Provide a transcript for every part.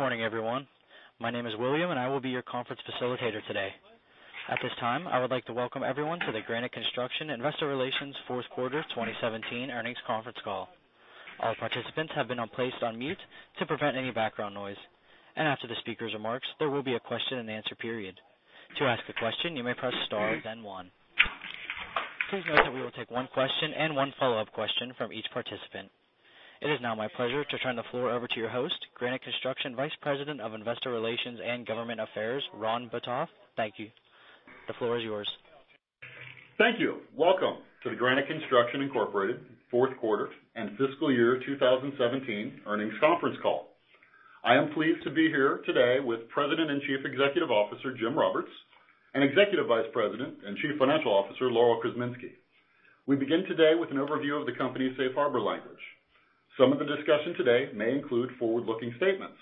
Good morning, everyone. My name is William, and I will be your conference facilitator today. At this time, I would like to welcome everyone to the Granite Construction Investor Relations fourth quarter 2017 earnings conference call. All participants have been placed on mute to prevent any background noise, and after the speaker's remarks, there will be a question-and-answer period. To ask a question, you may press star, then one. Please note that we will take one question and one follow-up question from each participant. It is now my pleasure to turn the floor over to your host, Granite Construction Vice President of Investor Relations and Government Affairs, Ron Botoff. Thank you. The floor is yours. Thank you. Welcome to the Granite Construction Incorporated fourth quarter and fiscal year 2017 earnings conference call. I am pleased to be here today with President and Chief Executive Officer, Jim Roberts, and Executive Vice President and Chief Financial Officer, Laurel Krzeminski. We begin today with an overview of the company's safe harbor language. Some of the discussion today may include forward-looking statements.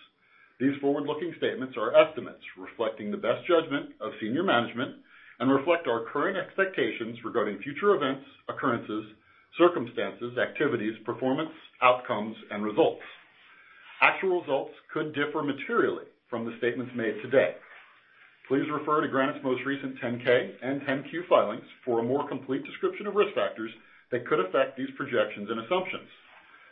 These forward-looking statements are estimates reflecting the best judgment of senior management and reflect our current expectations regarding future events, occurrences, circumstances, activities, performance, outcomes, and results. Actual results could differ materially from the statements made today. Please refer to Granite's most recent 10-K and 10-Q filings for a more complete description of risk factors that could affect these projections and assumptions.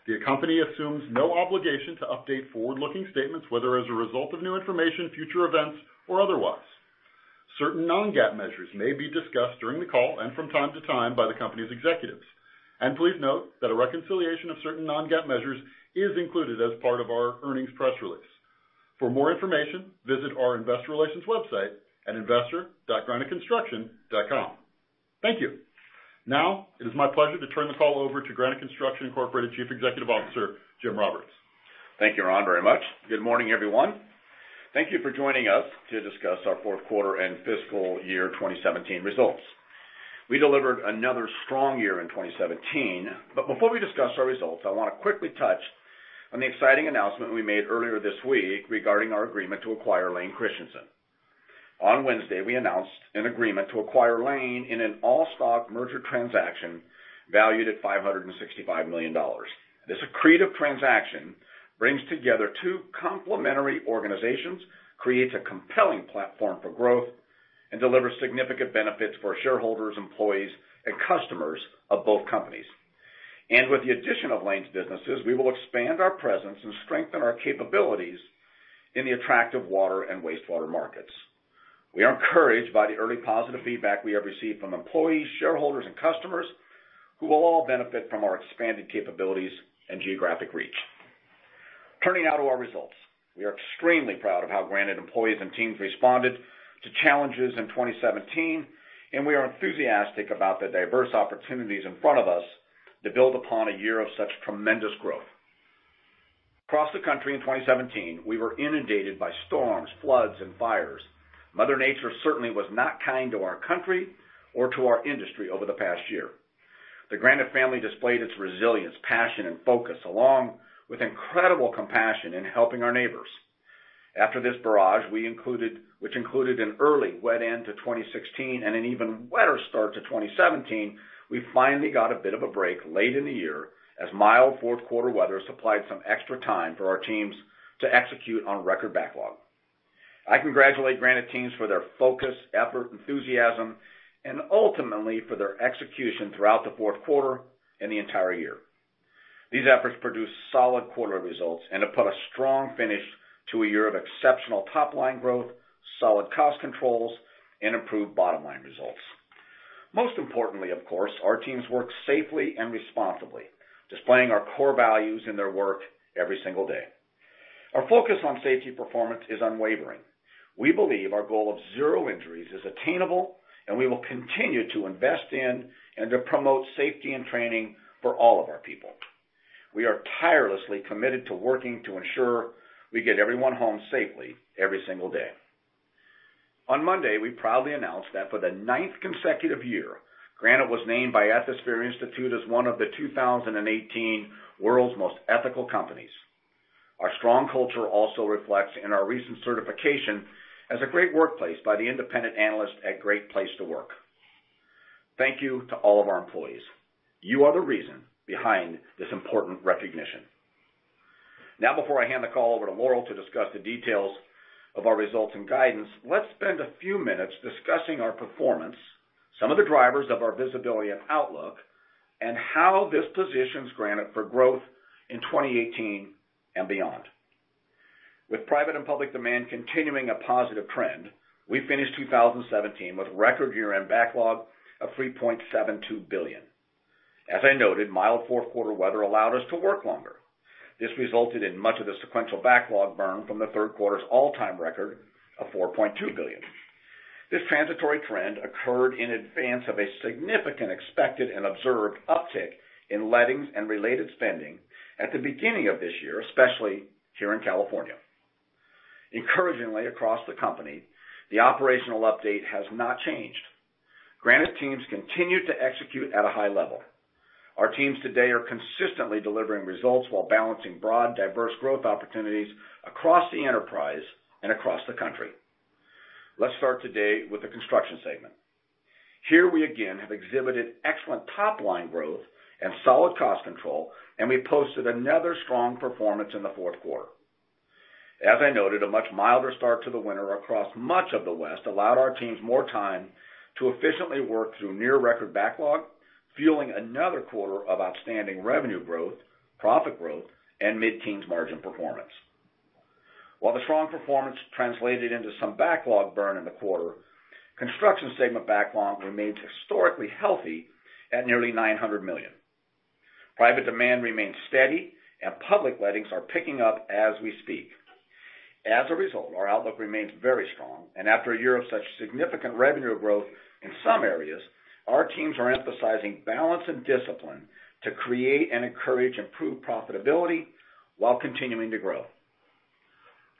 The company assumes no obligation to update forward-looking statements, whether as a result of new information, future events, or otherwise. Certain non-GAAP measures may be discussed during the call and from time to time by the company's executives. Please note that a reconciliation of certain non-GAAP measures is included as part of our earnings press release. For more information, visit our investor relations website at investor.graniteconstruction.com. Thank you. Now, it is my pleasure to turn the call over to Granite Construction Incorporated Chief Executive Officer, Jim Roberts. Thank you, Ron, very much. Good morning, everyone. Thank you for joining us to discuss our fourth quarter and fiscal year 2017 results. We delivered another strong year in 2017, but before we discuss our results, I wanna quickly touch on the exciting announcement we made earlier this week regarding our agreement to acquire Layne Christensen. On Wednesday, we announced an agreement to acquire Layne in an all-stock merger transaction valued at $565 million. This accretive transaction brings together two complementary organizations, creates a compelling platform for growth, and delivers significant benefits for shareholders, employees, and customers of both companies. With the addition of Layne's businesses, we will expand our presence and strengthen our capabilities in the attractive water and wastewater markets. We are encouraged by the early positive feedback we have received from employees, shareholders, and customers, who will all benefit from our expanded capabilities and geographic reach. Turning now to our results. We are extremely proud of how Granite employees and teams responded to challenges in 2017, and we are enthusiastic about the diverse opportunities in front of us to build upon a year of such tremendous growth. Across the country in 2017, we were inundated by storms, floods, and fires. Mother Nature certainly was not kind to our country or to our industry over the past year. The Granite family displayed its resilience, passion, and focus, along with incredible compassion in helping our neighbors. After this barrage, which included an early wet end to 2016 and an even wetter start to 2017, we finally got a bit of a break late in the year, as mild fourth quarter weather supplied some extra time for our teams to execute on record backlog. I congratulate Granite teams for their focus, effort, enthusiasm, and ultimately, for their execution throughout the fourth quarter and the entire year. These efforts produced solid quarter results and have put a strong finish to a year of exceptional top-line growth, solid cost controls, and improved bottom-line results. Most importantly, of course, our teams work safely and responsibly, displaying our core values in their work every single day. Our focus on safety performance is unwavering. We believe our goal of zero injuries is attainable, and we will continue to invest in and to promote safety and training for all of our people. We are tirelessly committed to working to ensure we get everyone home safely every single day. On Monday, we proudly announced that for the ninth consecutive year, Granite was named by Ethisphere Institute as one of the 2018 World's Most Ethical Companies. Our strong culture also reflects in our recent certification as a great workplace by the independent analyst at Great Place to Work. Thank you to all of our employees. You are the reason behind this important recognition. Now, before I hand the call over to Laurel to discuss the details of our results and guidance, let's spend a few minutes discussing our performance, some of the drivers of our visibility and outlook, and how this positions Granite for growth in 2018 and beyond. With private and public demand continuing a positive trend, we finished 2017 with record year-end backlog of $3.72 billion. As I noted, mild fourth quarter weather allowed us to work longer. This resulted in much of the sequential backlog burn from the third quarter's all-time record of $4.2 billion. This transitory trend occurred in advance of a significant expected and observed uptick in lettings and related spending at the beginning of this year, especially here in California. Encouragingly, across the company, the operational update has not changed. Granite teams continue to execute at a high level. Our teams today are consistently delivering results while balancing broad, diverse growth opportunities across the enterprise and across the country… Let's start today with the construction segment. Here, we again have exhibited excellent top-line growth and solid cost control, and we posted another strong performance in the fourth quarter. As I noted, a much milder start to the winter across much of the West allowed our teams more time to efficiently work through near record backlog, fueling another quarter of outstanding revenue growth, profit growth, and mid-teens margin performance. While the strong performance translated into some backlog burn in the quarter, construction segment backlog remains historically healthy at nearly $900 million. Private demand remains steady and public lettings are picking up as we speak. As a result, our outlook remains very strong, and after a year of such significant revenue growth in some areas, our teams are emphasizing balance and discipline to create and encourage improved profitability while continuing to grow.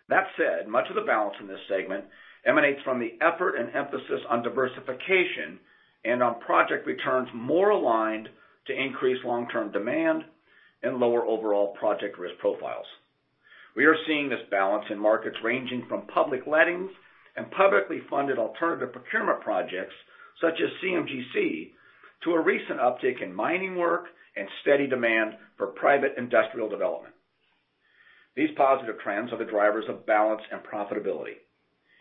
That said, much of the balance in this segment emanates from the effort and emphasis on diversification and on project returns more aligned to increase long-term demand and lower overall project risk profiles. We are seeing this balance in markets ranging from public lettings and publicly funded alternative procurement projects, such as CMGC, to a recent uptick in mining work and steady demand for private industrial development. These positive trends are the drivers of balance and profitability.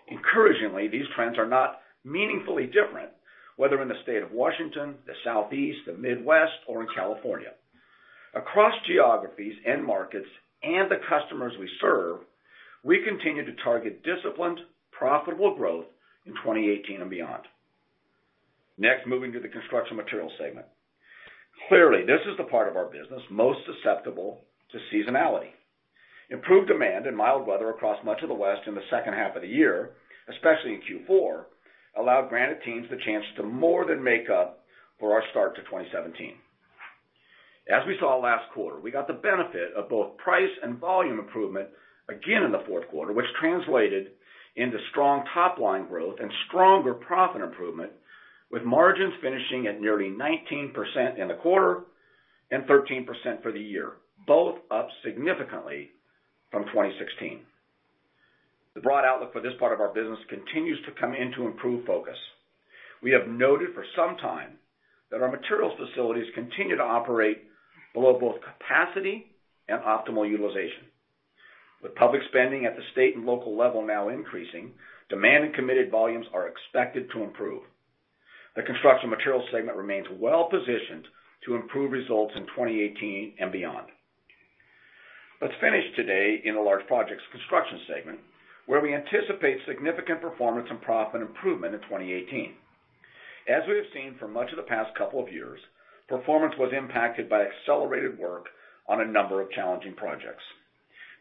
Encouragingly, these trends are not meaningfully different, whether in the state of Washington, the Southeast, the Midwest, or in California. Across geographies and markets and the customers we serve, we continue to target disciplined, profitable growth in 2018 and beyond. Next, moving to the construction materials segment. Clearly, this is the part of our business most susceptible to seasonality. Improved demand and mild weather across much of the West in the second half of the year, especially in Q4, allowed Granite teams the chance to more than make up for our start to 2017. As we saw last quarter, we got the benefit of both price and volume improvement again in the fourth quarter, which translated into strong top-line growth and stronger profit improvement, with margins finishing at nearly 19% in the quarter and 13% for the year, both up significantly from 2016. The broad outlook for this part of our business continues to come into improved focus. We have noted for some time that our materials facilities continue to operate below both capacity and optimal utilization. With public spending at the state and local level now increasing, demand and committed volumes are expected to improve. The construction materials segment remains well positioned to improve results in 2018 and beyond. Let's finish today in the large projects construction segment, where we anticipate significant performance and profit improvement in 2018. As we have seen for much of the past couple of years, performance was impacted by accelerated work on a number of challenging projects.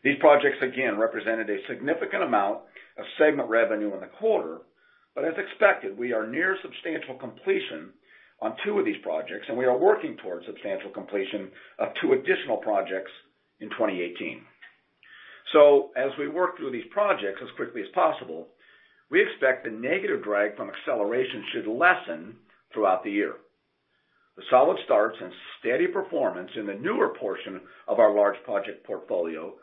These projects, again, represented a significant amount of segment revenue in the quarter, but as expected, we are near substantial completion on two of these projects, and we are working towards substantial completion of two additional projects in 2018. So as we work through these projects as quickly as possible, we expect the negative drag from acceleration should lessen throughout the year. The solid starts and steady performance in the newer portion of our large project portfolio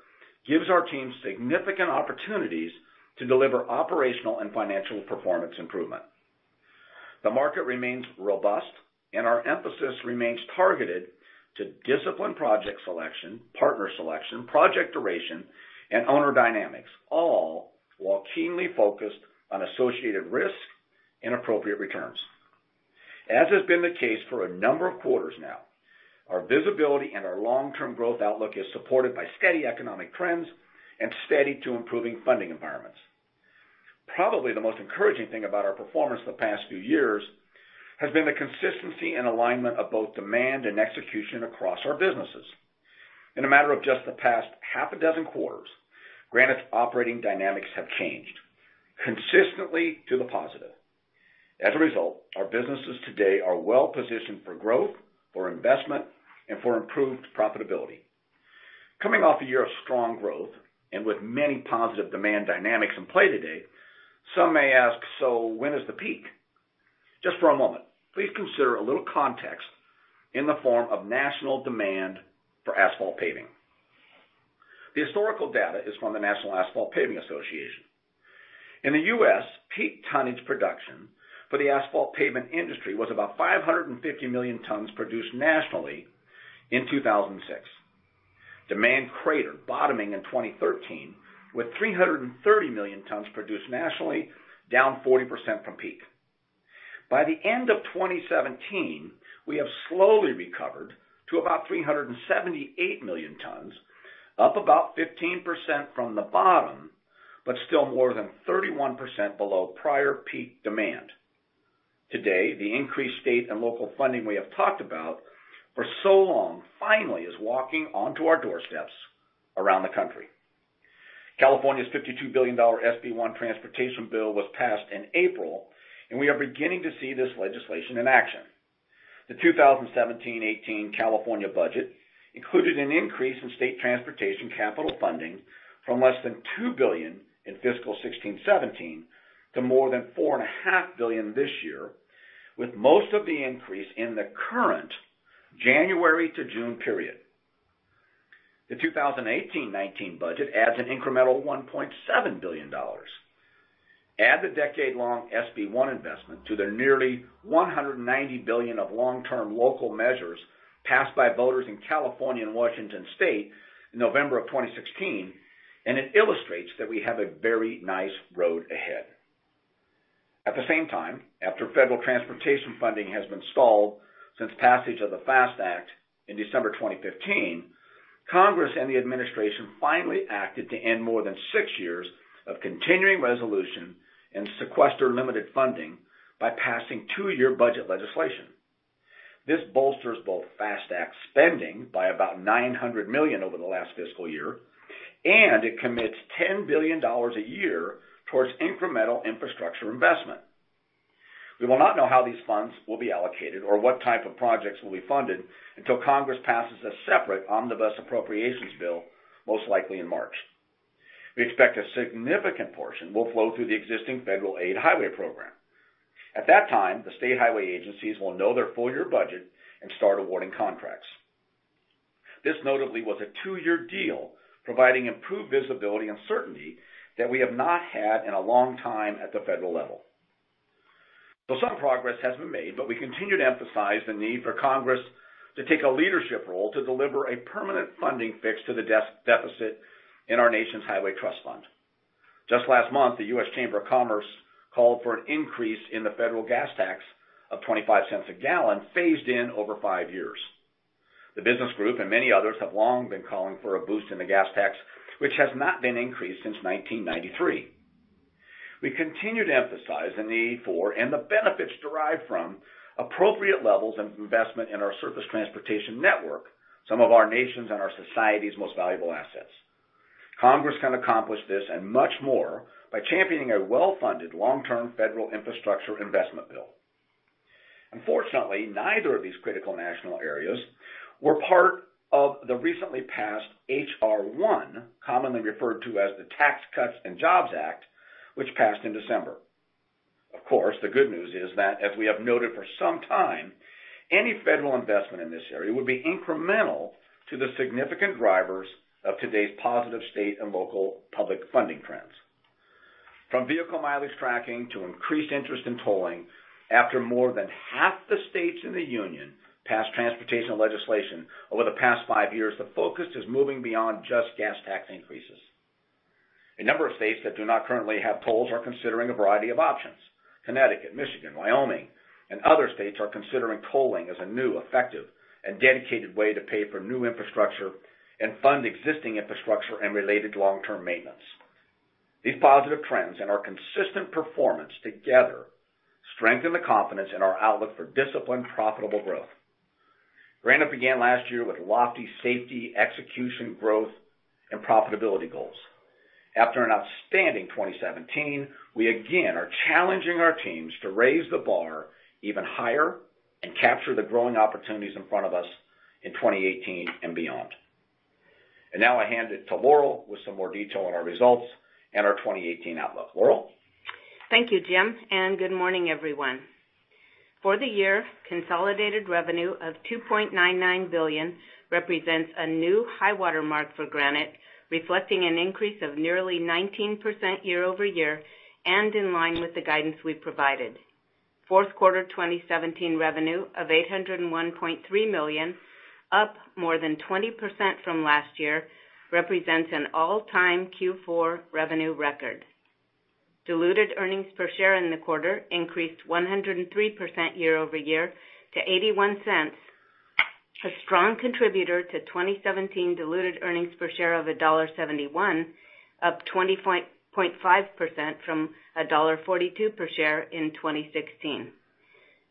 gives our team significant opportunities to deliver operational and financial performance improvement. The market remains robust, and our emphasis remains targeted to disciplined project selection, partner selection, project duration, and owner dynamics, all while keenly focused on associated risk and appropriate returns. As has been the case for a number of quarters now, our visibility and our long-term growth outlook is supported by steady economic trends and steady to improving funding environments. Probably the most encouraging thing about our performance in the past few years has been the consistency and alignment of both demand and execution across our businesses. In a matter of just the past half a dozen quarters, Granite's operating dynamics have changed consistently to the positive. As a result, our businesses today are well positioned for growth, for investment, and for improved profitability. Coming off a year of strong growth and with many positive demand dynamics in play today, some may ask, "So when is the peak?" Just for a moment, please consider a little context in the form of national demand for asphalt paving. The historical data is from the National Asphalt Paving Association. In the U.S., peak tonnage production for the asphalt pavement industry was about 550 million tons produced nationally in 2006. Demand cratered, bottoming in 2013, with 330 million tons produced nationally, down 40% from peak. By the end of 2017, we have slowly recovered to about 378 million tons, up about 15% from the bottom, but still more than 31% below prior peak demand. Today, the increased state and local funding we have talked about for so long finally is walking onto our doorsteps around the country. California's $52 billion SB 1 transportation bill was passed in April, and we are beginning to see this legislation in action. The 2017-18 California budget included an increase in state transportation capital funding from less than $2 billion in fiscal 2016-17 to more than $4.5 billion this year, with most of the increase in the current January-June period. The 2018-19 budget adds an incremental $1.7 billion. Add the decade-long SB 1 investment to the nearly $190 billion of long-term local measures passed by voters in California and Washington State in November 2016, and it illustrates that we have a very nice road ahead. At the same time, after federal transportation funding has been stalled since passage of the FAST Act in December 2015, Congress and the administration finally acted to end more than 6 years of continuing resolution and sequester limited funding by passing two-year budget legislation. This bolsters both FAST Act spending by about $900 million over the last fiscal year, and it commits $10 billion a year towards incremental infrastructure investment. We will not know how these funds will be allocated or what type of projects will be funded until Congress passes a separate omnibus appropriations bill, most likely in March. We expect a significant portion will flow through the existing Federal-Aid Highway Program. At that time, the state highway agencies will know their full-year budget and start awarding contracts. This notably was a two-year deal, providing improved visibility and certainty that we have not had in a long time at the federal level. So some progress has been made, but we continue to emphasize the need for Congress to take a leadership role to deliver a permanent funding fix to the deficit in our nation's Highway Trust Fund. Just last month, the U.S. Chamber of Commerce called for an increase in the federal gas tax of $0.25 a gallon, phased in over 5 years. The business group and many others have long been calling for a boost in the gas tax, which has not been increased since 1993. We continue to emphasize the need for, and the benefits derived from, appropriate levels of investment in our surface transportation network, some of our nation's and our society's most valuable assets. Congress can accomplish this and much more by championing a well-funded, long-term federal infrastructure investment bill. Unfortunately, neither of these critical national areas were part of the recently passed H.R. 1, commonly referred to as the Tax Cuts and Jobs Act, which passed in December. Of course, the good news is that, as we have noted for some time, any federal investment in this area would be incremental to the significant drivers of today's positive state and local public funding trends. From vehicle mileage tracking to increased interest in tolling, after more than half the states in the union passed transportation legislation over the past five years, the focus is moving beyond just gas tax increases. A number of states that do not currently have tolls are considering a variety of options. Connecticut, Michigan, Wyoming, and other states are considering tolling as a new, effective, and dedicated way to pay for new infrastructure and fund existing infrastructure and related long-term maintenance. These positive trends and our consistent performance together strengthen the confidence in our outlook for disciplined, profitable growth. Granite began last year with lofty safety, execution, growth, and profitability goals. After an outstanding 2017, we again are challenging our teams to raise the bar even higher and capture the growing opportunities in front of us in 2018 and beyond. And now I hand it to Laurel with some more detail on our results and our 2018 outlook. Laurel? Thank you, Jim, and good morning, everyone. For the year, consolidated revenue of $2.99 billion represents a new high water mark for Granite, reflecting an increase of nearly 19% year-over-year and in line with the guidance we provided. Fourth quarter 2017 revenue of $801.3 million, up more than 20% from last year, represents an all-time Q4 revenue record. Diluted earnings per share in the quarter increased 103% year-over-year to $0.81, a strong contributor to 2017 diluted earnings per share of $1.71, up 20.5% from $1.42 per share in 2016.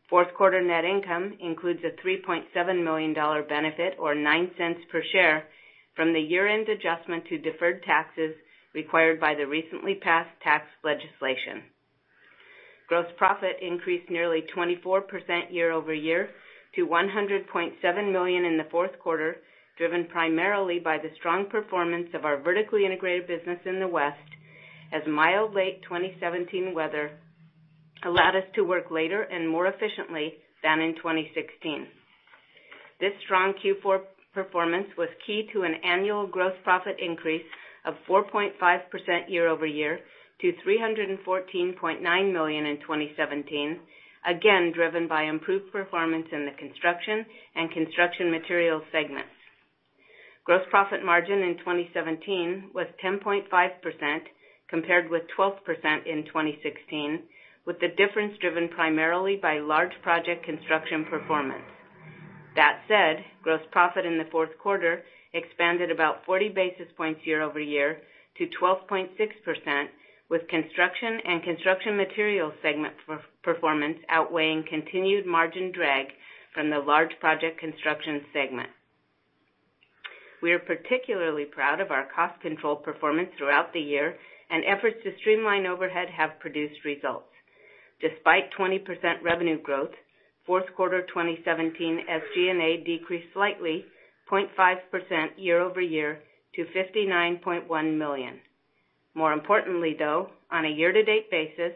Fourth quarter net income includes a $3.7 million benefit or $0.09 per share from the year-end adjustment to deferred taxes required by the recently passed tax legislation. Gross profit increased nearly 24% year-over-year to $107 million in the fourth quarter, driven primarily by the strong performance of our vertically integrated business in the West, as mild late 2017 weather allowed us to work later and more efficiently than in 2016. This strong Q4 performance was key to an annual gross profit increase of 4.5% year-over-year to $314.9 million in 2017, again, driven by improved performance in the construction and construction materials segments. Gross profit margin in 2017 was 10.5%, compared with 12% in 2016, with the difference driven primarily by large project construction performance. That said, gross profit in the fourth quarter expanded about 40 basis points year-over-year to 12.6%, with construction and construction materials segment per-performance outweighing continued margin drag from the large project construction segment. We are particularly proud of our cost control performance throughout the year, and efforts to streamline overhead have produced results. Despite 20% revenue growth, fourth quarter 2017 SG&A decreased slightly, 0.5% year-over-year, to $59.1 million.... More importantly, though, on a year-to-date basis,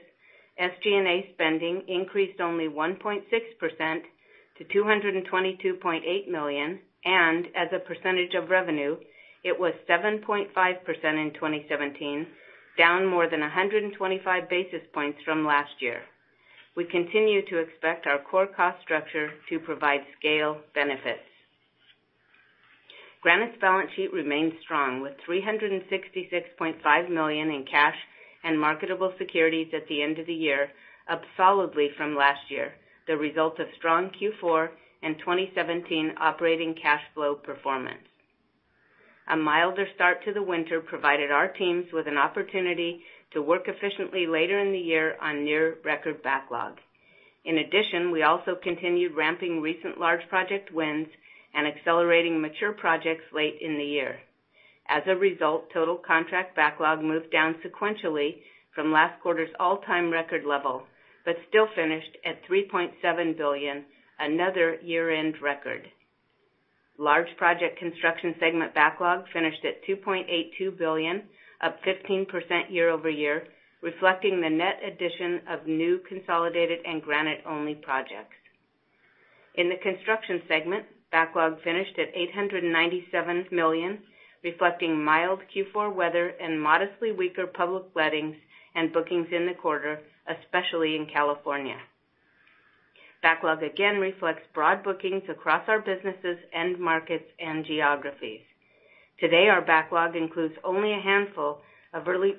SG&A spending increased only 1.6% to $222.8 million, and as a percentage of revenue, it was 7.5% in 2017, down more than 125 basis points from last year. We continue to expect our core cost structure to provide scale benefits. Granite's balance sheet remains strong, with $366.5 million in cash and marketable securities at the end of the year, up solidly from last year, the result of strong Q4 and 2017 operating cash flow performance. A milder start to the winter provided our teams with an opportunity to work efficiently later in the year on near record backlog. In addition, we also continued ramping recent large project wins and accelerating mature projects late in the year. As a result, total contract backlog moved down sequentially from last quarter's all-time record level, but still finished at $3.7 billion, another year-end record. Large project construction segment backlog finished at $2.82 billion, up 15% year-over-year, reflecting the net addition of new consolidated and Granite-only projects. In the construction segment, backlog finished at $897 million, reflecting mild Q4 weather and modestly weaker public lettings and bookings in the quarter, especially in California. Backlog again reflects broad bookings across our businesses, end markets, and geographies. Today, our backlog includes only a handful of early,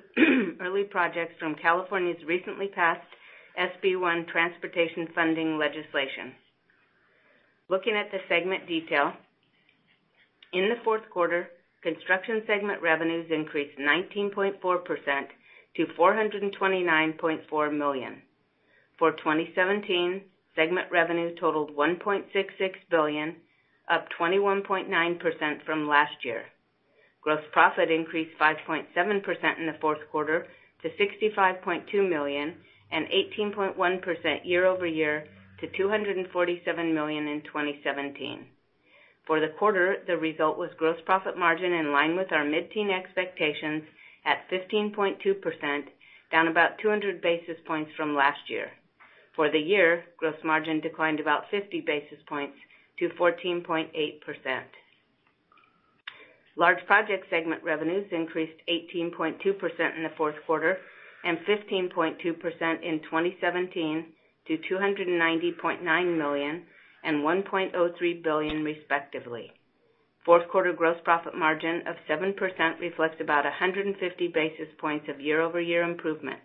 early projects from California's recently passed SB1 transportation funding legislation. Looking at the segment detail. In the fourth quarter, construction segment revenues increased 19.4% to $429.4 million. For 2017, segment revenue totaled $1.66 billion, up 21.9% from last year. Gross profit increased 5.7% in the fourth quarter to $65.2 million, and 18.1% year-over-year to $247 million in 2017. For the quarter, the result was gross profit margin in line with our mid-teen expectations at 15.2%, down about 200 basis points from last year. For the year, gross margin declined about 50 basis points to 14.8%. Large project segment revenues increased 18.2% in the fourth quarter and 15.2% in 2017 to $290.9 million and $1.03 billion, respectively. Fourth quarter gross profit margin of 7% reflects about 150 basis points of year-over-year improvement.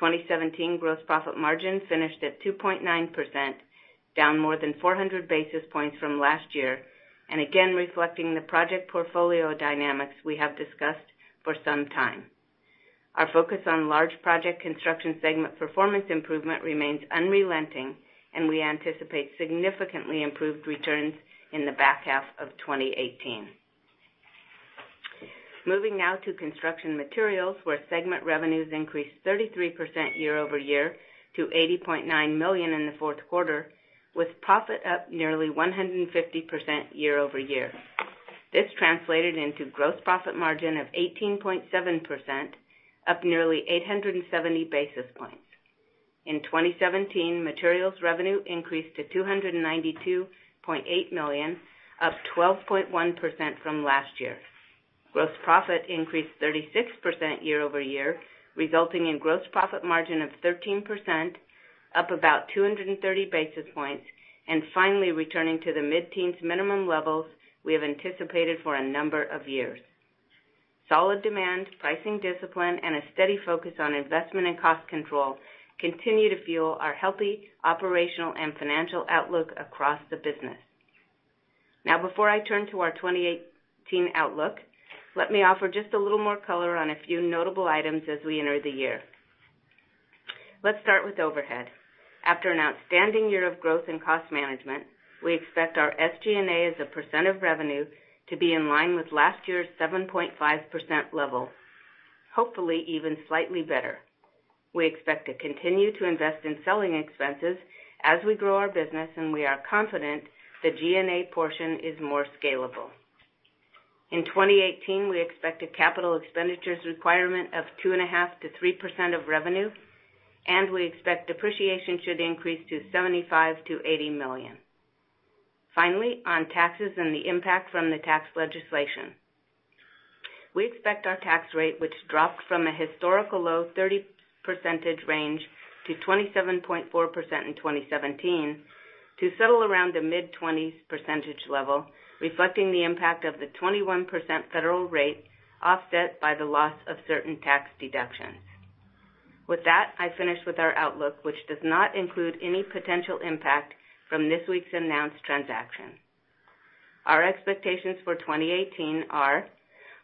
2017 gross profit margin finished at 2.9%, down more than 400 basis points from last year, and again, reflecting the project portfolio dynamics we have discussed for some time. Our focus on large project construction segment performance improvement remains unrelenting, and we anticipate significantly improved returns in the back half of 2018. Moving now to construction materials, where segment revenues increased 33% year-over-year to $80.9 million in the fourth quarter, with profit up nearly 150% year-over-year. This translated into gross profit margin of 18.7%, up nearly 870 basis points. In 2017, materials revenue increased to $292.8 million, up 12.1% from last year. Gross profit increased 36% year-over-year, resulting in gross profit margin of 13%, up about 230 basis points, and finally returning to the mid-teens minimum levels we have anticipated for a number of years. Solid demand, pricing discipline, and a steady focus on investment and cost control continue to fuel our healthy operational and financial outlook across the business. Now, before I turn to our 2018 outlook, let me offer just a little more color on a few notable items as we enter the year. Let's start with overhead. After an outstanding year of growth and cost management, we expect our SG&A as a percent of revenue to be in line with last year's 7.5% level, hopefully even slightly better. We expect to continue to invest in selling expenses as we grow our business, and we are confident the G&A portion is more scalable. In 2018, we expect a capital expenditures requirement of 2.5%-3% of revenue, and we expect depreciation should increase to $75 million-$80 million. Finally, on taxes and the impact from the tax legislation. We expect our tax rate, which dropped from a historical low 30% range to 27.4% in 2017, to settle around a mid-20s percentage level, reflecting the impact of the 21% federal rate, offset by the loss of certain tax deductions. With that, I finish with our outlook, which does not include any potential impact from this week's announced transaction. Our expectations for 2018 are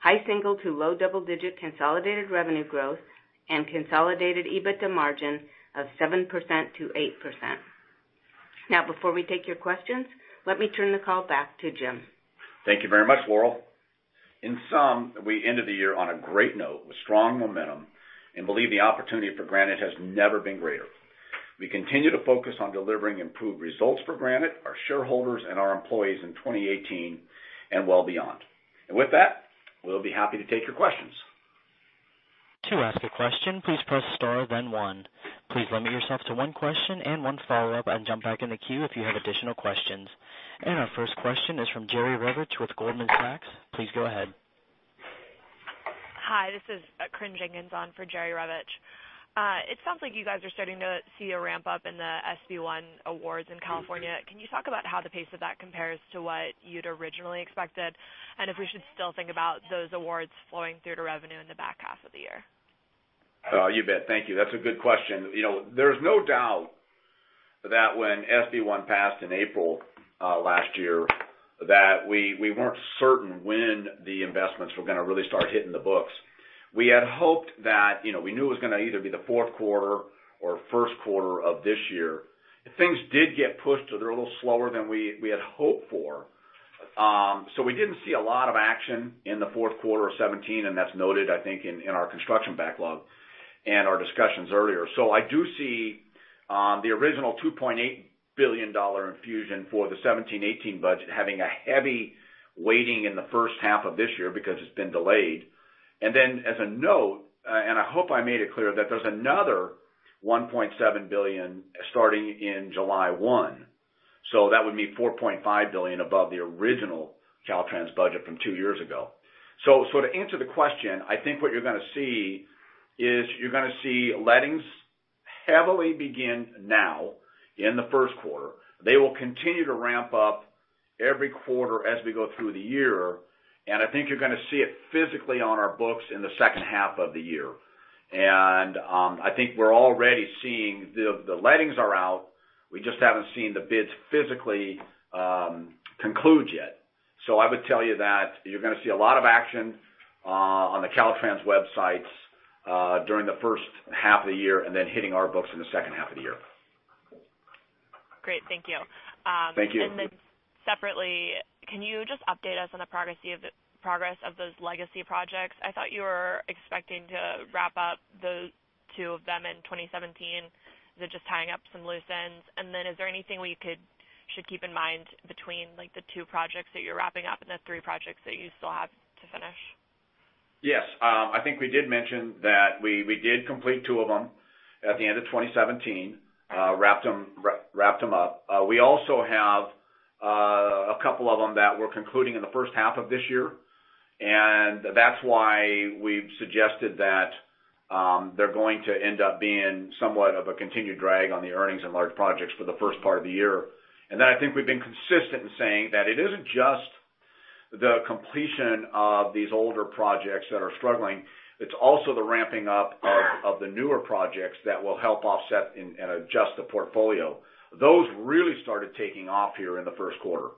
high single- to low double-digit consolidated revenue growth and consolidated EBITDA margin of 7%-8%. Now, before we take your questions, let me turn the call back to Jim. Thank you very much, Laurel. In sum, we ended the year on a great note with strong... and believe the opportunity for Granite has never been greater. We continue to focus on delivering improved results for Granite, our shareholders, and our employees in 2018, and well beyond. With that, we'll be happy to take your questions. To ask a question, please press star, then one. Please limit yourself to one question and one follow-up, and jump back in the queue if you have additional questions. Our first question is from Jerry Revich with Goldman Sachs. Please go ahead. Hi, this is, Corinne Jenkins on for Jerry Revich. It sounds like you guys are starting to see a ramp-up in the SB 1 awards in California. Can you talk about how the pace of that compares to what you'd originally expected? And if we should still think about those awards flowing through to revenue in the back half of the year. You bet. Thank you. That's a good question. You know, there's no doubt that when SB 1 passed in April last year, that we weren't certain when the investments were gonna really start hitting the books. We had hoped that, you know, we knew it was gonna either be the fourth quarter or first quarter of this year. Things did get pushed, so they're a little slower than we had hoped for. So we didn't see a lot of action in the fourth quarter of 2017, and that's noted, I think, in our construction backlog and our discussions earlier. So I do see the original $2.8 billion infusion for the 2017-2018 budget having a heavy weighting in the first half of this year because it's been delayed. And then, as a note, and I hope I made it clear, that there's another $1.7 billion starting in July 1. So that would be $4.5 billion above the original Caltrans budget from two years ago. So to answer the question, I think what you're gonna see is, you're gonna see lettings heavily begin now in the first quarter. They will continue to ramp up every quarter as we go through the year, and I think you're gonna see it physically on our books in the second half of the year. And I think we're already seeing the lettings are out. We just haven't seen the bids physically conclude yet. I would tell you that you're gonna see a lot of action on the Caltrans websites during the first half of the year, and then hitting our books in the second half of the year. Great. Thank you. Thank you. And then separately, can you just update us on the progress of those legacy projects? I thought you were expecting to wrap up the two of them in 2017. Is it just tying up some loose ends? And then is there anything we could, should keep in mind between, like, the two projects that you're wrapping up and the three projects that you still have to finish? Yes, I think we did mention that we, we did complete two of them at the end of 2017, wrapped them up. We also have a couple of them that we're concluding in the first half of this year, and that's why we've suggested that they're going to end up being somewhat of a continued drag on the earnings and large projects for the first part of the year. And then I think we've been consistent in saying that it isn't just the completion of these older projects that are struggling, it's also the ramping up of the newer projects that will help offset and adjust the portfolio. Those really started taking off here in the first quarter.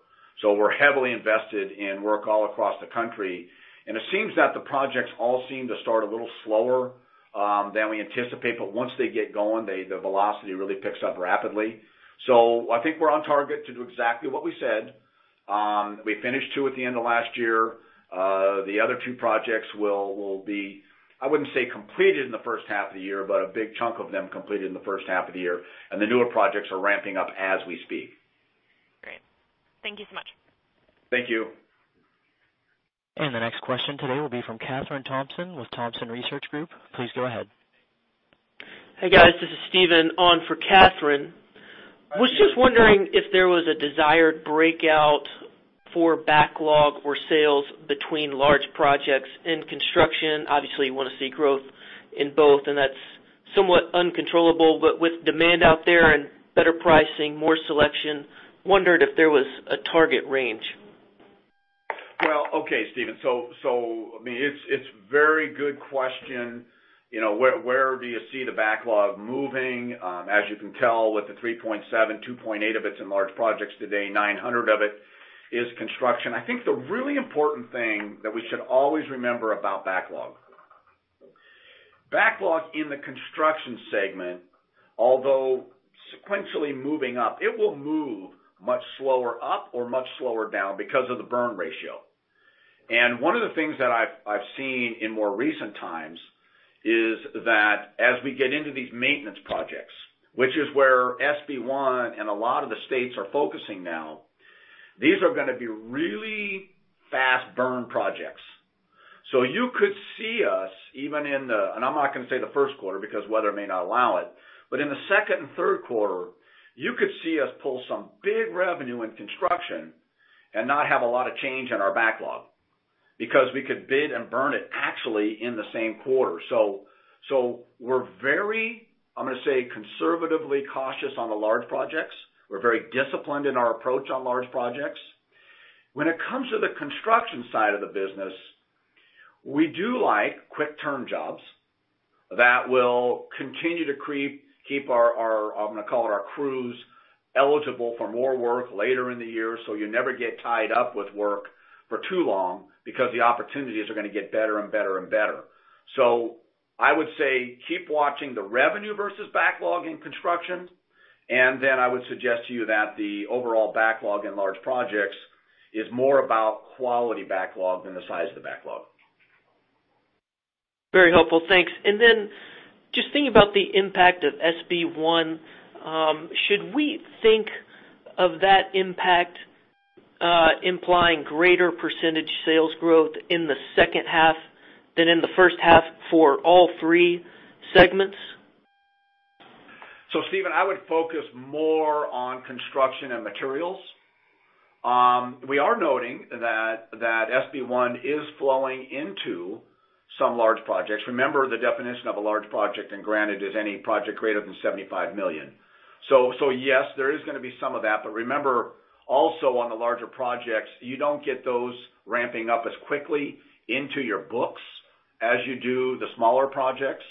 So we're heavily invested in work all across the country, and it seems that the projects all seem to start a little slower than we anticipate. But once they get going, they, the velocity really picks up rapidly. So I think we're on target to do exactly what we said. We finished two at the end of last year. The other two projects will be, I wouldn't say completed in the first half of the year, but a big chunk of them completed in the first half of the year, and the newer projects are ramping up as we speak. Great. Thank you so much. Thank you. The next question today will be from Kathryn Thompson with Thompson Research Group. Please go ahead. Hey, guys, this is Steven on for Catherine. Was just wondering if there was a desired breakout for backlog or sales between large projects in construction? Obviously, you want to see growth in both, and that's somewhat uncontrollable, but with demand out there and better pricing, more selection, wondered if there was a target range? Well, okay, Steven. So, I mean, it's very good question. You know, where do you see the backlog moving? As you can tell, with the 3.7, 2.8 of it's in large projects today, 900 of it is construction. I think the really important thing that we should always remember about backlog: backlog in the construction segment, although sequentially moving up, it will move much slower up or much slower down because of the burn ratio. And one of the things that I've seen in more recent times is that as we get into these maintenance projects, which is where SB 1 and a lot of the states are focusing now, these are gonna be really fast burn projects. So you could see us, even in the... And I'm not gonna say the first quarter, because weather may not allow it, but in the second and third quarter, you could see us pull some big revenue in construction and not have a lot of change in our backlog, because we could bid and burn it actually in the same quarter. So we're very, I'm gonna say, conservatively cautious on the large projects. We're very disciplined in our approach on large projects. When it comes to the construction side of the business, we do like quick turn jobs that will continue to creep, keep our crews eligible for more work later in the year, so you never get tied up with work for too long, because the opportunities are gonna get better and better and better. So I would say, keep watching the revenue versus backlog in construction, and then I would suggest to you that the overall backlog in large projects is more about quality backlog than the size of the backlog. Very helpful, thanks. And then just thinking about the impact of SB 1, should we think of that impact, implying greater percentage sales growth in the second half than in the first half for all three segments? So, Steven, I would focus more on construction and materials. We are noting that SB 1 is flowing into some large projects. Remember the definition of a large project, and Granite, is any project greater than $75 million. So yes, there is gonna be some of that, but remember also on the larger projects, you don't get those ramping up as quickly into your books as you do the smaller projects.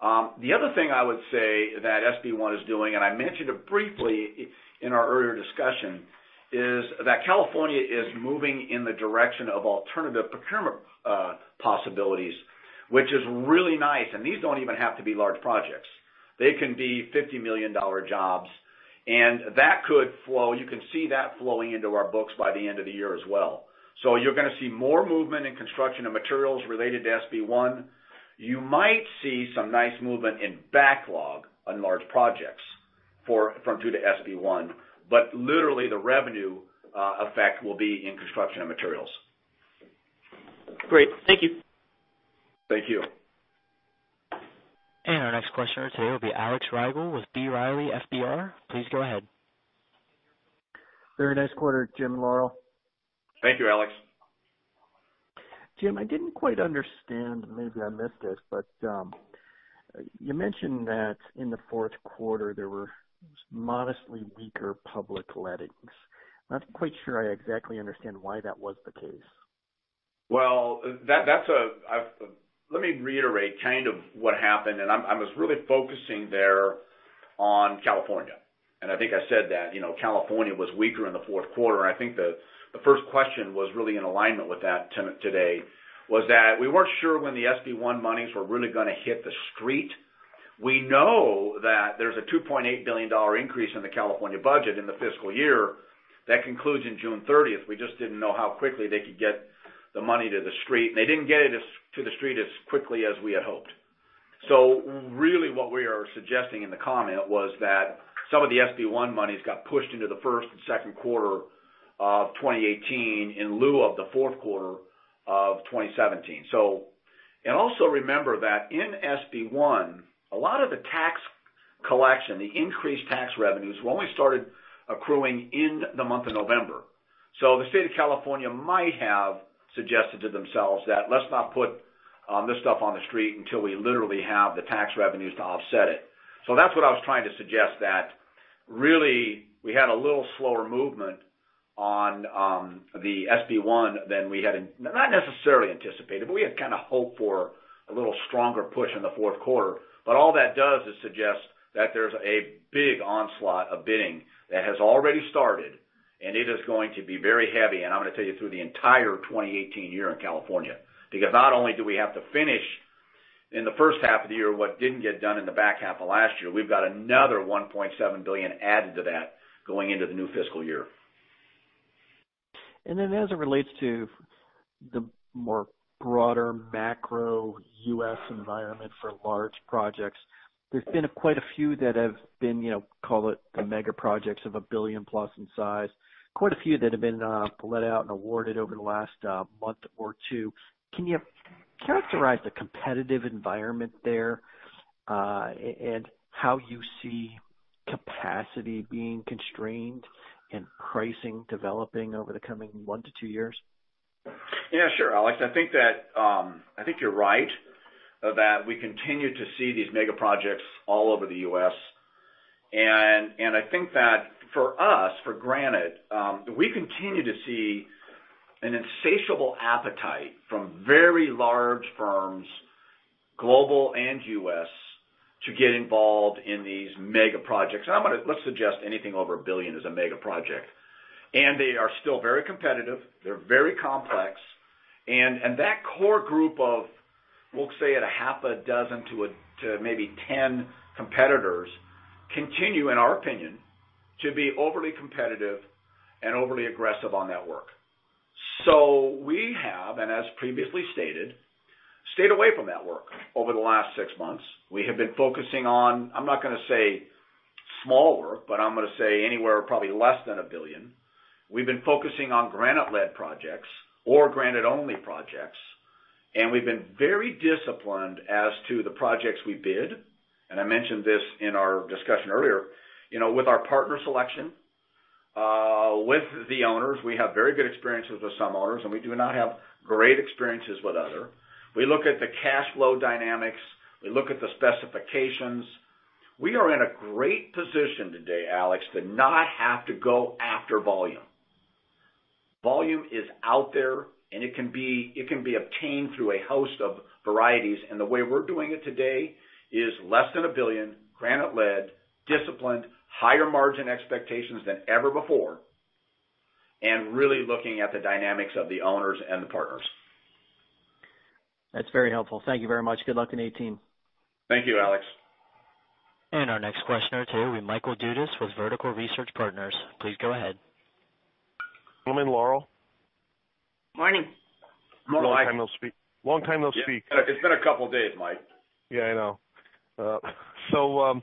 The other thing I would say that SB 1 is doing, and I mentioned it briefly in our earlier discussion, is that California is moving in the direction of alternative procurement possibilities, which is really nice, and these don't even have to be large projects. They can be $50 million jobs, and that could flow. You can see that flowing into our books by the end of the year as well. You're gonna see more movement in construction and materials related to SB 1. You might see some nice movement in backlog on large projects from due to SB 1, but literally the revenue effect will be in construction and materials. Great. Thank you. Thank you. Our next question today will be Alex Rygiel with B. Riley FBR. Please go ahead. Very nice quarter, Jim and Laurel. Thank you, Alex. Jim, I didn't quite understand, maybe I missed this, but you mentioned that in the fourth quarter, there were modestly weaker public lettings. Not quite sure I exactly understand why that was the case? Well, that's—I've let me reiterate kind of what happened, and I was really focusing there on California, and I think I said that, you know, California was weaker in the fourth quarter. I think the first question was really in alignment with that today, was that we weren't sure when the SB 1 monies were really gonna hit the street. We know that there's a $2.8 billion increase in the California budget in the fiscal year. That concludes in June thirtieth. We just didn't know how quickly they could get the money to the street, and they didn't get it to the street as quickly as we had hoped. So really, what we are suggesting in the comment was that some of the SB 1 monies got pushed into the first and second quarter of 2018 in lieu of the fourth quarter of 2017. So, and also remember that in SB 1, a lot of the tax collection, the increased tax revenues, only started accruing in the month of November. So the state of California might have suggested to themselves that, "Let's not put this stuff on the street until we literally have the tax revenues to offset it." So that's what I was trying to suggest that really we had a little slower movement on the SB 1 than we had, not necessarily anticipated, but we had kind of hoped for a little stronger push in the fourth quarter. But all that does is suggest that there's a big onslaught of bidding that has already started, and it is going to be very heavy, and I'm gonna tell you, through the entire 2018 year in California, because not only do we have to finish in the first half of the year, what didn't get done in the back half of last year, we've got another $1.7 billion added to that going into the new fiscal year. And then, as it relates to the more broader macro U.S. environment for large projects, there's been quite a few that have been, you know, call it the mega projects of a billion plus in size, quite a few that have been let out and awarded over the last month or 2. Can you characterize the competitive environment there, and how you see capacity being constrained and pricing developing over the coming 1-2 years? Yeah, sure, Alex. I think that, I think you're right, that we continue to see these mega projects all over the U.S. And I think that for us, for Granite, we continue to see an insatiable appetite from very large firms, global and U.S., to get involved in these mega projects. I'm gonna suggest anything over $1 billion is a mega project. And they are still very competitive. They're very complex, and that core group of, we'll say half a dozen to maybe 10 competitors, continue, in our opinion, to be overly competitive and overly aggressive on that work. So we have, and as previously stated, stayed away from that work over the last 6 months. We have been focusing on, I'm not gonna say small work, but I'm gonna say anywhere, probably less than $1 billion. We've been focusing on Granite-led projects or Granite-only projects, and we've been very disciplined as to the projects we bid, and I mentioned this in our discussion earlier, you know, with our partner selection, with the owners. We have very good experiences with some owners, and we do not have great experiences with other. We look at the cash flow dynamics. We look at the specifications. We are in a great position today, Alex, to not have to go after volume. Volume is out there, and it can be, it can be obtained through a host of varieties, and the way we're doing it today is less than $1 billion, Granite-led, disciplined, higher margin expectations than ever before, and really looking at the dynamics of the owners and the partners. ... That's very helpful. Thank you very much. Good luck in 2018. Thank you, Alex. Our next questioner today, we have Michael Dudas with Vertical Research Partners. Please go ahead. Good morning, Laurel. Morning. Long time, no speak. Long time, no speak. Yeah, it's been a couple days, Mike. Yeah, I know. So,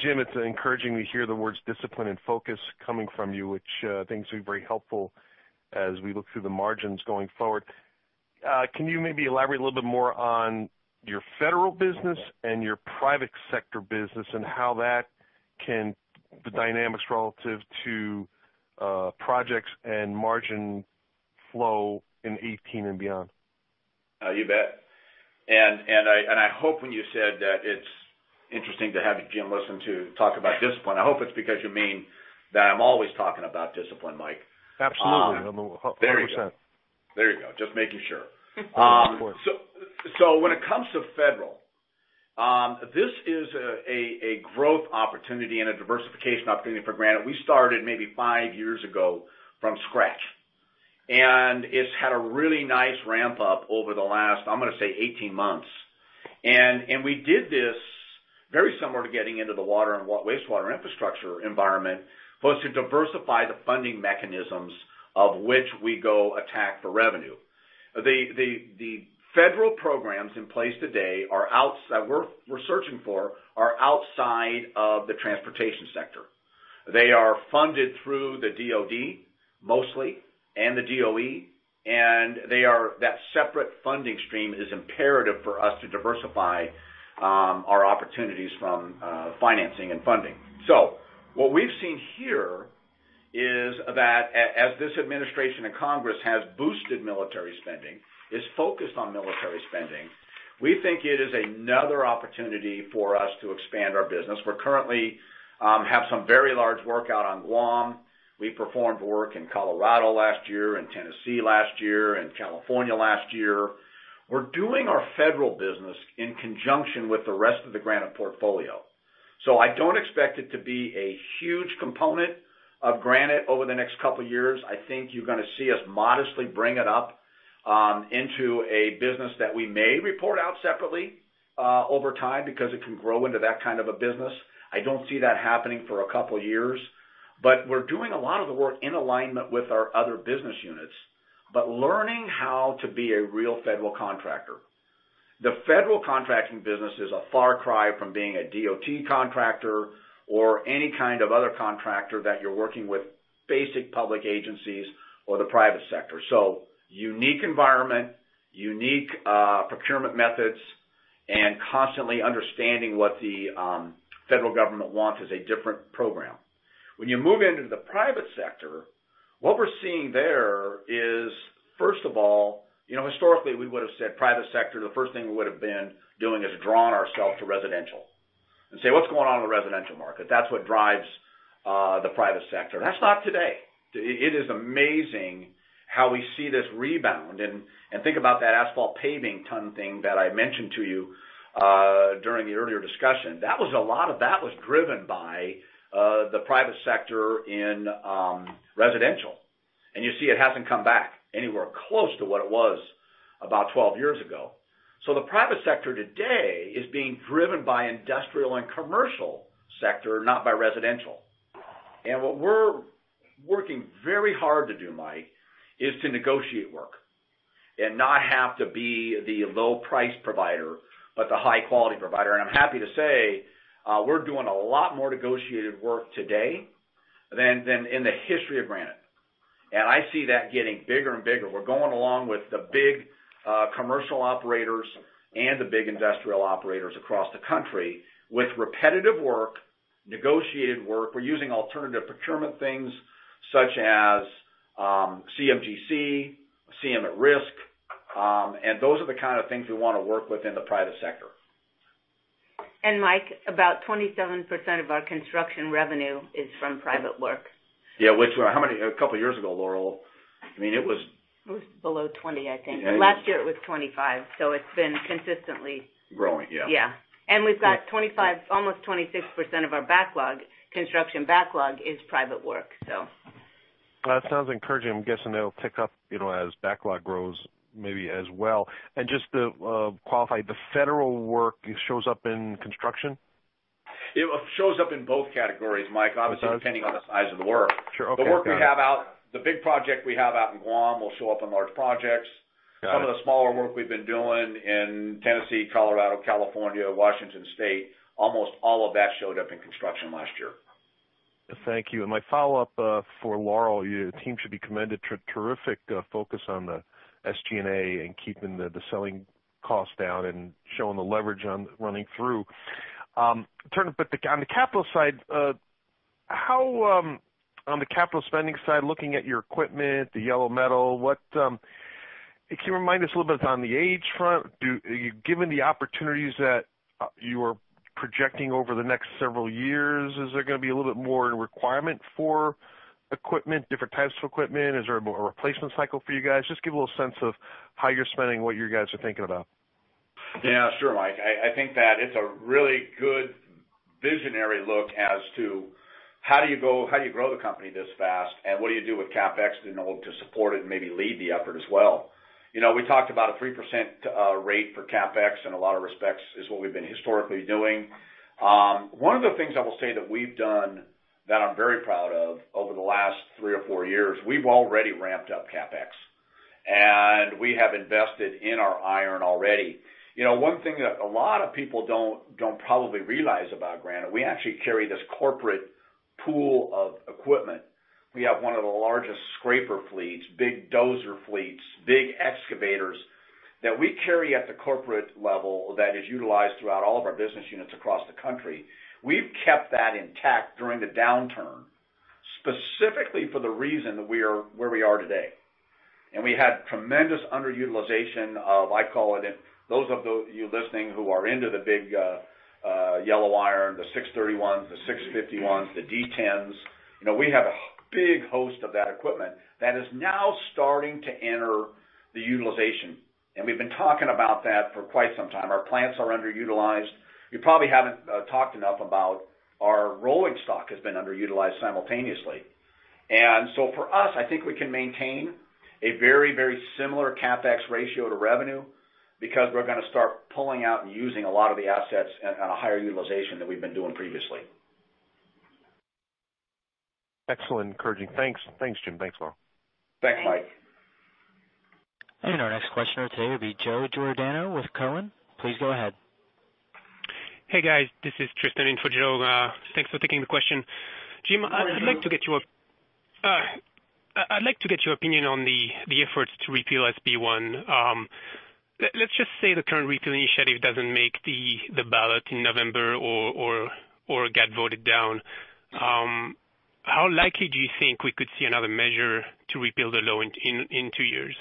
Jim, it's encouraging to hear the words discipline and focus coming from you, which things will be very helpful as we look through the margins going forward. Can you maybe elaborate a little bit more on your federal business and your private sector business, and how that can, the dynamics relative to projects and margin flow in 2018 and beyond? You bet. And I hope when you said that it's interesting to have Jim Roberts to talk about discipline, I hope it's because you mean that I'm always talking about discipline, Mike. Absolutely. 100%. There you go. Just making sure. So when it comes to federal, this is a growth opportunity and a diversification opportunity for Granite. We started maybe five years ago from scratch, and it's had a really nice ramp up over the last, I'm gonna say 18 months. And we did this very similar to getting into the water and wastewater infrastructure environment, was to diversify the funding mechanisms of which we go after for revenue. The federal programs in place today are outside that we're searching for, are outside of the transportation sector. They are funded through the DOD, mostly, and the DOE, and they are... That separate funding stream is imperative for us to diversify our opportunities from financing and funding. So what we've seen here is that as this administration and Congress has boosted military spending, is focused on military spending, we think it is another opportunity for us to expand our business. We're currently have some very large work out on Guam. We performed work in Colorado last year and Tennessee last year, and California last year. We're doing our federal business in conjunction with the rest of the Granite portfolio. So I don't expect it to be a huge component of Granite over the next couple years. I think you're gonna see us modestly bring it up into a business that we may report out separately over time, because it can grow into that kind of a business. I don't see that happening for a couple years, but we're doing a lot of the work in alignment with our other business units, but learning how to be a real federal contractor. The federal contracting business is a far cry from being a DOT contractor or any kind of other contractor that you're working with basic public agencies or the private sector. So unique environment, unique, procurement methods, and constantly understanding what the, federal government wants is a different program. When you move into the private sector, what we're seeing there is, first of all, you know, historically, we would've said private sector, the first thing we would've been doing is drawing ourselves to residential and say, "What's going on in the residential market? That's what drives, the private sector." That's not today. It, it is amazing how we see this rebound. And think about that asphalt paving ton thing that I mentioned to you during the earlier discussion. That was a lot of that was driven by the private sector in residential, and you see it hasn't come back anywhere close to what it was about 12 years ago. So the private sector today is being driven by industrial and commercial sector, not by residential. And what we're working very hard to do, Mike, is to negotiate work and not have to be the low price provider, but the high quality provider. And I'm happy to say, we're doing a lot more negotiated work today than, than in the history of Granite. And I see that getting bigger and bigger. We're going along with the big commercial operators and the big industrial operators across the country with repetitive work, negotiated work. We're using alternative procurement things such as, CMGC, CM at risk, and those are the kind of things we wanna work with in the private sector. Mike, about 27% of our construction revenue is from private work. Yeah, which, how many... A couple years ago, Laurel, I mean, it was- It was below 20, I think. Yeah. Last year, it was 25, so it's been consistently- Growing, yeah. Yeah. And we've got 25%, almost 26% of our backlog, construction backlog is private work, so. That sounds encouraging. I'm guessing that'll pick up, you know, as backlog grows maybe as well. And just to qualify, the federal work shows up in construction? It shows up in both categories, Mike, obviously, depending on the size of the work. Sure. Okay. The work we have out, the big project we have out in Guam, will show up in large projects. Got it. Some of the smaller work we've been doing in Tennessee, Colorado, California, Washington State, almost all of that showed up in construction last year. Thank you. My follow-up for Laurel, your team should be commended, terrific focus on the SG&A and keeping the selling costs down and showing the leverage on running through. But on the capital side, how on the capital spending side, looking at your equipment, the yellow iron, what. Can you remind us a little bit on the age front? Do, given the opportunities that you are projecting over the next several years, is there gonna be a little bit more requirement for equipment, different types of equipment? Is there more of a replacement cycle for you guys? Just give a little sense of how you're spending, what you guys are thinking about. Yeah, sure, Mike. I, I think that it's a really good visionary look as to how do you go, how do you grow the company this fast, and what do you do with CapEx in order to support it and maybe lead the effort as well? You know, we talked about a 3% rate for CapEx, in a lot of respects, is what we've been historically doing. One of the things I will say that we've done that I'm very proud of over the last 3 or 4 years, we've already ramped up CapEx, and we have invested in our iron already. You know, one thing that a lot of people don't probably realize about Granite, we actually carry this corporate pool of equipment. We have one of the largest scraper fleets, big dozer fleets, big excavators that we carry at the corporate level that is utilized throughout all of our business units across the country. We've kept that intact during the downturn, specifically for the reason that we are where we are today. And we had tremendous underutilization of, I call it, you listening who are into the big, yellow iron, the 631s, the 651s, the D-10s, you know, we have a big host of that equipment that is now starting to enter the utilization, and we've been talking about that for quite some time. Our plants are underutilized. We probably haven't talked enough about our rolling stock has been underutilized simultaneously. And so for us, I think we can maintain a very, very similar CapEx ratio to revenue because we're gonna start pulling out and using a lot of the assets at a higher utilization than we've been doing previously. Excellent, encouraging. Thanks. Thanks, Jim. Thanks, Laura. Thanks, Mike. Our next questioner today will be Joe Giordano with Cowen. Please go ahead. Hey, guys, this is Tristan in for Joe. Thanks for taking the question. Jim, I'd like to get your opinion on the efforts to repeal SB1. Let's just say the current repeal initiative doesn't make the ballot in November or get voted down. How likely do you think we could see another measure to repeal the law in two years?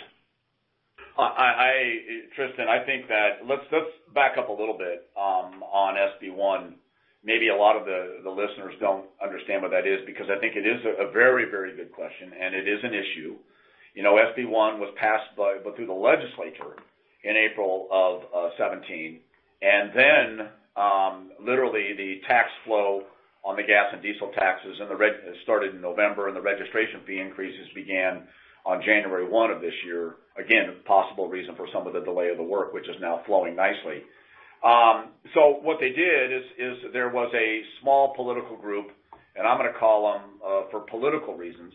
Tristan, I think that let's back up a little bit on SB 1. Maybe a lot of the listeners don't understand what that is, because I think it is a very, very good question, and it is an issue. You know, SB 1 was passed through the legislature in April of 2017, and then literally the tax flow on the gas and diesel taxes and the revenue started in November, and the registration fee increases began on January 1 of this year. Again, possible reason for some of the delay of the work, which is now flowing nicely. So what they did is there was a small political group, and I'm gonna call them for political reasons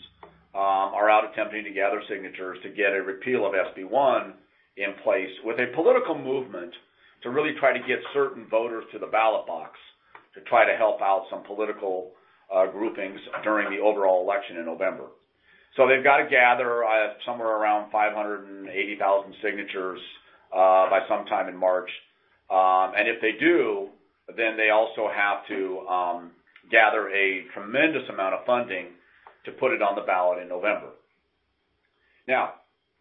are out attempting to gather signatures to get a repeal of SB 1 in place with a political movement to really try to get certain voters to the ballot box to try to help out some political groupings during the overall election in November. So they've got to gather somewhere around 580,000 signatures by sometime in March. And if they do, then they also have to gather a tremendous amount of funding to put it on the ballot in November. Now,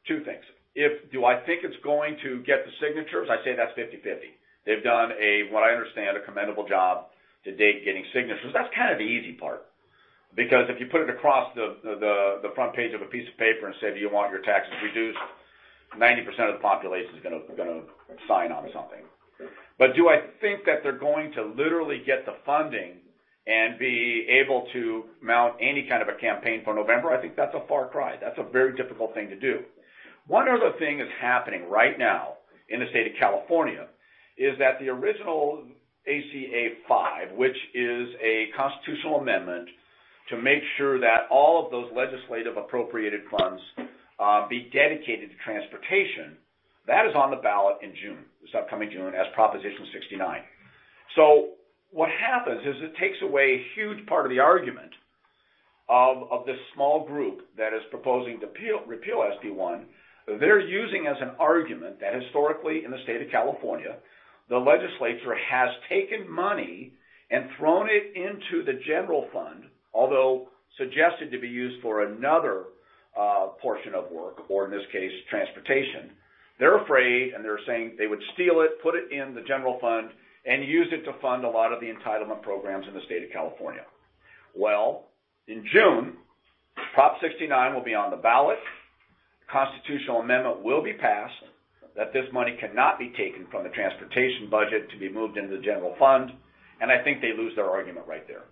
two things: Do I think it's going to get the signatures? I'd say that's 50/50. They've done what I understand a commendable job to date getting signatures. That's kind of the easy part, because if you put it across the front page of a piece of paper and say, "Do you want your taxes reduced?" 90% of the population is gonna sign on something. But do I think that they're going to literally get the funding and be able to mount any kind of a campaign for November? I think that's a far cry. That's a very difficult thing to do. One other thing that's happening right now in the state of California is that the original ACA 5, which is a constitutional amendment to make sure that all of those legislative appropriated funds be dedicated to transportation, that is on the ballot in June, this upcoming June, as Proposition 69. So what happens is it takes away a huge part of the argument of this small group that is proposing to repeal SB 1. They're using as an argument that historically in the state of California, the legislature has taken money and thrown it into the general fund, although suggested to be used for another portion of work, or in this case, transportation. They're afraid, and they're saying they would steal it, put it in the general fund, and use it to fund a lot of the entitlement programs in the state of California. Well, in June, Prop 69 will be on the ballot. Constitutional amendment will be passed, that this money cannot be taken from the transportation budget to be moved into the general fund, and I think they lose their argument right there.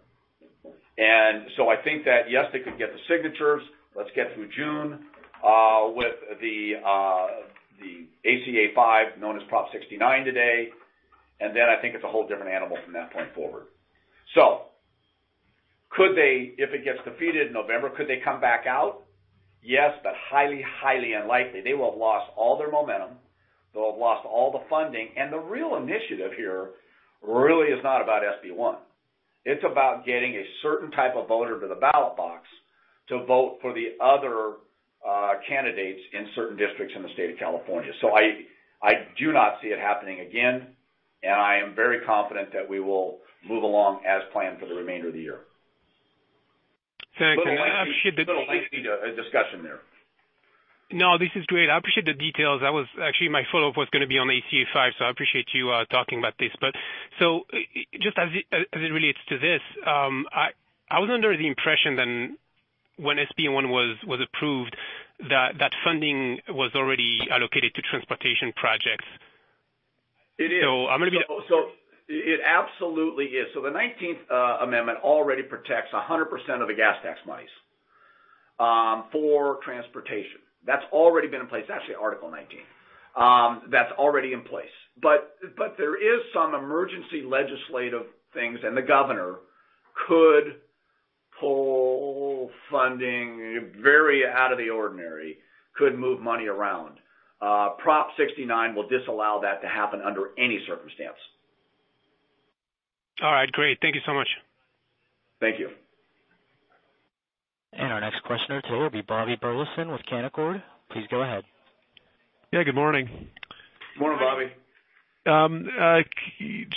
And so I think that, yes, they could get the signatures. Let's get through June with the ACA 5, known as Prop 69 today, and then I think it's a whole different animal from that point forward. So could they, if it gets defeated in November, could they come back out? Yes, but highly, highly unlikely. They will have lost all their momentum. They'll have lost all the funding, and the real initiative here really is not about SB 1. It's about getting a certain type of voter to the ballot box to vote for the other candidates in certain districts in the state of California. So I do not see it happening again, and I am very confident that we will move along as planned for the remainder of the year. Thank you. I appreciate the- Little lengthy, discussion there. No, this is great. I appreciate the details. That was actually my follow-up was gonna be on ACA 5, so I appreciate you talking about this. But so just as it relates to this, I was under the impression that when SB 1 was approved, that funding was already allocated to transportation projects. It is. I'm gonna be- So, so it absolutely is. So the Nineteenth Amendment already protects 100% of the gas tax monies for transportation. That's already been in place. It's actually Article Nineteen that's already in place. But, but there is some emergency legislative things, and the governor could pull funding very out of the ordinary, could move money around. Prop 69 will disallow that to happen under any circumstance. All right, great. Thank you so much. Thank you. Our next questioner today will be Bobby Burleson with Canaccord. Please go ahead. Yeah, good morning. Morning, Bobby.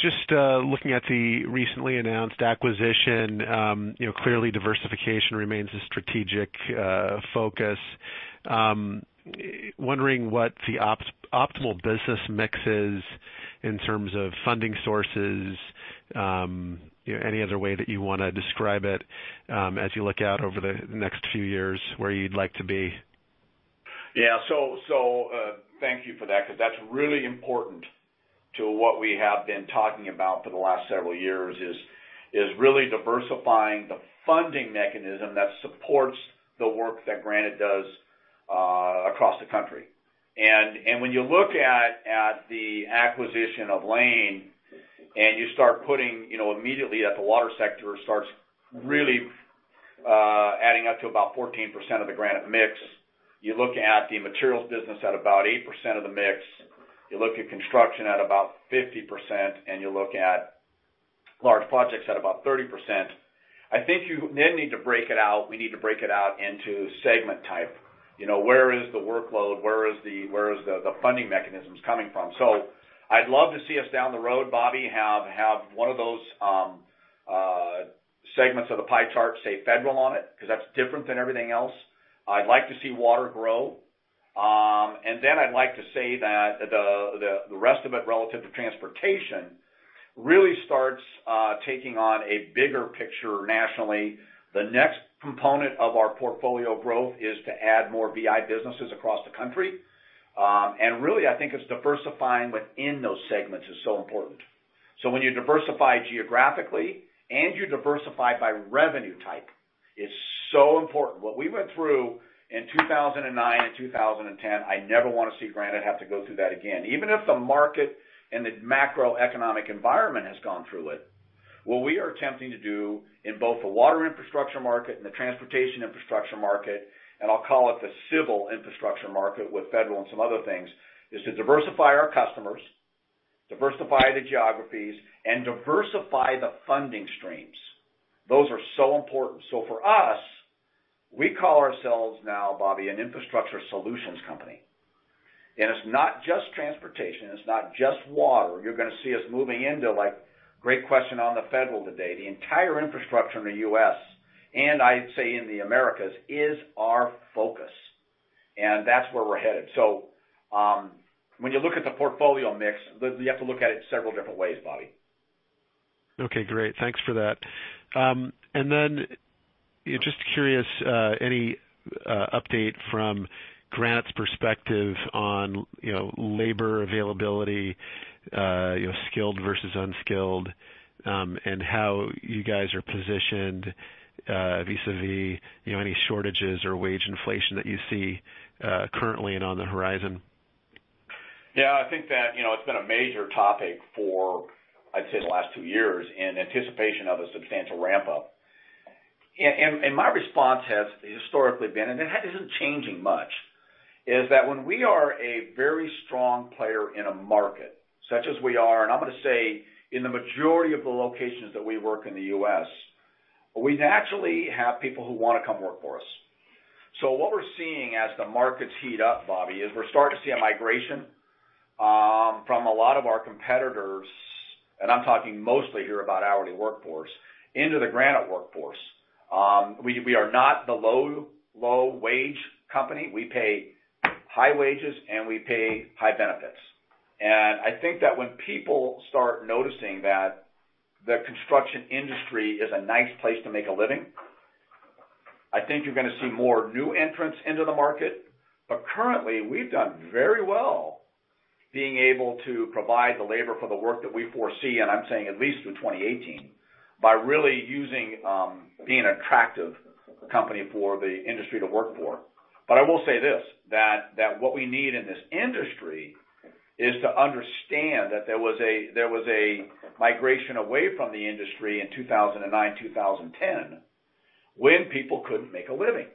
Just looking at the recently announced acquisition, you know, clearly diversification remains a strategic focus. Wondering what the optimal business mix is in terms of funding sources, any other way that you wanna describe it, as you look out over the next few years, where you'd like to be? Yeah. So, thank you for that, 'cause that's really important to what we have been talking about for the last several years is really diversifying the funding mechanism that supports the work that Granite does across the country. And when you look at the acquisition of Layne, and you start putting, you know, immediately at the water sector, starts really adding up to about 14% of the Granite mix. You look at the materials business at about 8% of the mix, you look at construction at about 50%, and you look at large projects at about 30%. I think you then need to break it out—we need to break it out into segment type. You know, where is the workload? Where is the funding mechanisms coming from? So I'd love to see us down the road, Bobby, have one of those segments of the pie chart, say, federal on it, 'cause that's different than everything else. I'd like to see water grow, and then I'd like to say that the rest of it, relative to transportation, really starts taking on a bigger picture nationally. The next component of our portfolio growth is to add more VI businesses across the country. And really, I think it's diversifying within those segments is so important. So when you diversify geographically and you diversify by revenue type, is so important. What we went through in 2009 and 2010, I never wanna see Granite have to go through that again. Even if the market and the macroeconomic environment has gone through it, what we are attempting to do in both the water infrastructure market and the transportation infrastructure market, and I'll call it the civil infrastructure market, with federal and some other things, is to diversify our customers, diversify the geographies, and diversify the funding streams. Those are so important. So for us, we call ourselves now, Bobby, an infrastructure solutions company. And it's not just transportation, it's not just water. You're gonna see us moving into, like, great question on the federal today. The entire infrastructure in the U.S., and I'd say in the Americas, is our focus, and that's where we're headed. So, when you look at the portfolio mix, you have to look at it several different ways, Bobby. Okay, great. Thanks for that. And then just curious, any update from Granite's perspective on, you know, labor availability, you know, skilled versus unskilled, and how you guys are positioned, vis-a-vis, you know, any shortages or wage inflation that you see, currently and on the horizon? Yeah, I think that, you know, it's been a major topic for, I'd say, the last two years, in anticipation of a substantial ramp up. And my response has historically been, and that isn't changing much, is that when we are a very strong player in a market, such as we are, and I'm gonna say, in the majority of the locations that we work in the U.S., we naturally have people who wanna come work for us. So what we're seeing as the markets heat up, Bobby, is we're starting to see a migration from a lot of our competitors, and I'm talking mostly here about hourly workforce, into the Granite workforce. We are not the low, low-wage company. We pay high wages, and we pay high benefits. I think that when people start noticing that the construction industry is a nice place to make a living, I think you're gonna see more new entrants into the market. But currently, we've done very well, being able to provide the labor for the work that we foresee, and I'm saying at least through 2018, by really using, being an attractive company for the industry to work for. But I will say this, that what we need in this industry is to understand that there was a migration away from the industry in 2009, 2010, when people couldn't make a living.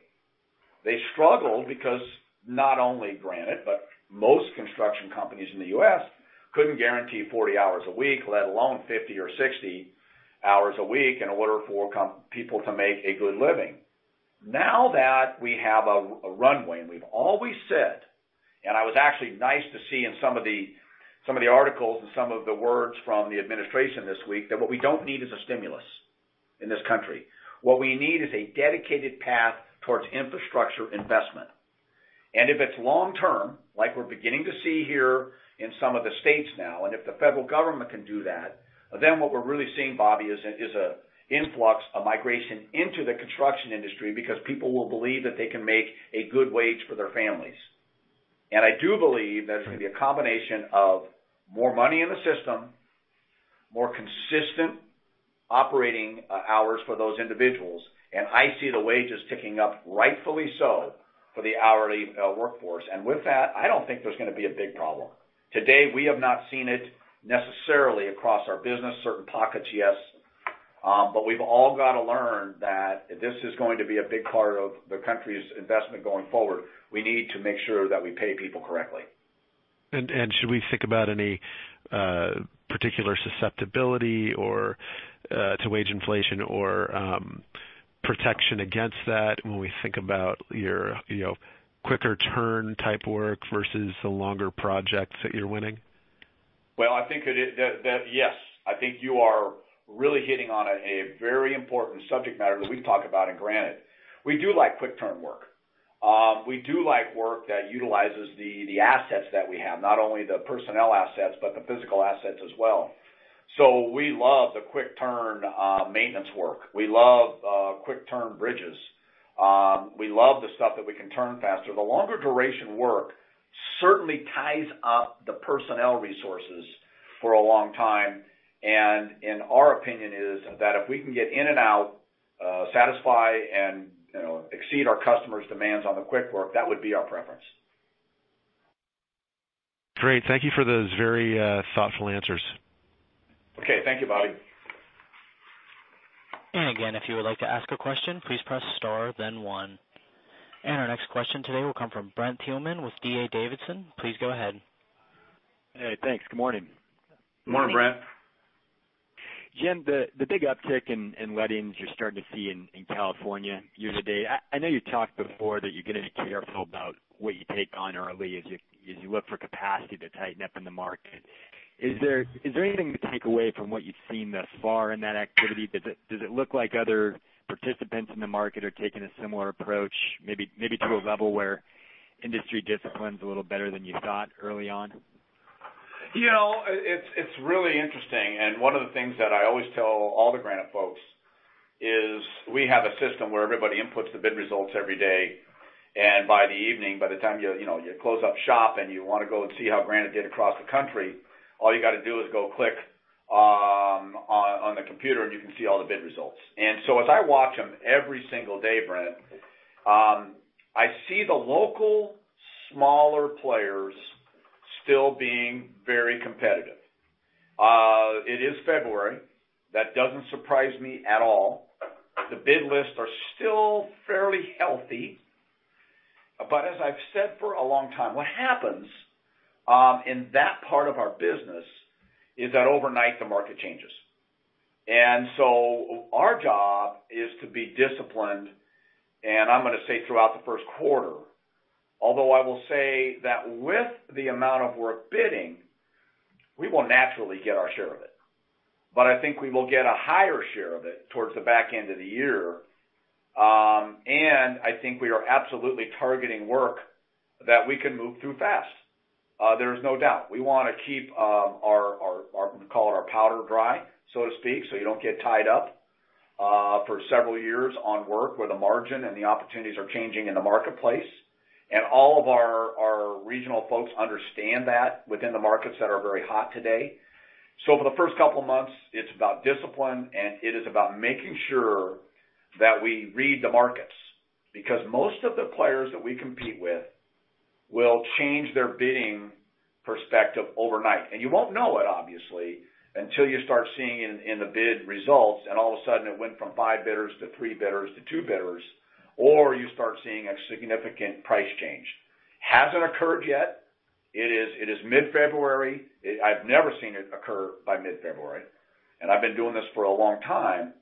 They struggled because not only Granite, but most construction companies in the U.S., couldn't guarantee 40 hours a week, let alone 50 hours or 60 hours a week, in order for people to make a good living. Now that we have a runway, and we've always said, and it was actually nice to see in some of the articles and some of the words from the administration this week, that what we don't need is a stimulus in this country. What we need is a dedicated path towards infrastructure investment. And if it's long term, like we're beginning to see here in some of the states now, and if the federal government can do that, then what we're really seeing, Bobby, is an influx, a migration into the construction industry, because people will believe that they can make a good wage for their families. And I do believe that it's gonna be a combination of more money in the system, more consistent operating hours for those individuals, and I see the wages ticking up, rightfully so, for the hourly workforce. With that, I don't think there's gonna be a big problem. Today, we have not seen it necessarily across our business. Certain pockets, yes, but we've all gotta learn that if this is going to be a big part of the country's investment going forward, we need to make sure that we pay people correctly. Should we think about any particular susceptibility or to wage inflation or protection against that when we think about your, you know, quicker turn type work versus the longer projects that you're winning? Well, I think yes, I think you are really hitting on a very important subject matter that we've talked about in Granite. We do like quick turn work. We do like work that utilizes the assets that we have, not only the personnel assets, but the physical assets as well. So we love the quick turn maintenance work. We love quick turn bridges. We love the stuff that we can turn faster. The longer duration work certainly ties up the personnel resources for a long time, and our opinion is that if we can get in and out, satisfy, and, you know, exceed our customers' demands on the quick work, that would be our preference. Great, thank you for those very, thoughtful answers. Okay. Thank you, Bobby. And again, if you would like to ask a question, please press Star, then One. And our next question today will come from Brent Thielman with D.A. Davidson. Please go ahead. Hey, thanks. Good morning. Good morning, Brent. Jim, the big uptick in lettings you're starting to see in California year-to-date, I know you talked before that you're gonna be careful about what you take on early as you look for capacity to tighten up in the market. Is there anything to take away from what you've seen thus far in that activity? Does it look like other participants in the market are taking a similar approach, maybe to a level where industry discipline's a little better than you thought early on? You know, it's really interesting, and one of the things that I always tell all the Granite folks is, we have a system where everybody inputs the bid results every day, and by the evening, by the time you, you know, you close up shop and you wanna go and see how Granite did across the country, all you gotta do is go click on the computer, and you can see all the bid results. And so as I watch them every single day, Brent, I see the local, smaller players still being very competitive. It is February. That doesn't surprise me at all. The bid lists are still fairly healthy, but as I've said for a long time, what happens in that part of our business is that overnight, the market changes. So our job is to be disciplined, and I'm gonna say throughout the first quarter, although I will say that with the amount of work bidding, we will naturally get our share of it. But I think we will get a higher share of it towards the back end of the year, and I think we are absolutely targeting work that we can move through fast. There is no doubt. We wanna keep our powder dry, so to speak, so you don't get tied up for several years on work where the margin and the opportunities are changing in the marketplace. All of our regional folks understand that within the markets that are very hot today. So for the first couple of months, it's about discipline, and it is about making sure that we read the markets, because most of the players that we compete with will change their bidding perspective overnight. And you won't know it, obviously, until you start seeing it in the bid results, and all of a sudden, it went from five bidders to three bidders to two bidders, or you start seeing a significant price change. Hasn't occurred yet. It is mid-February. I've never seen it occur by mid-February, and I've been doing this for a long time,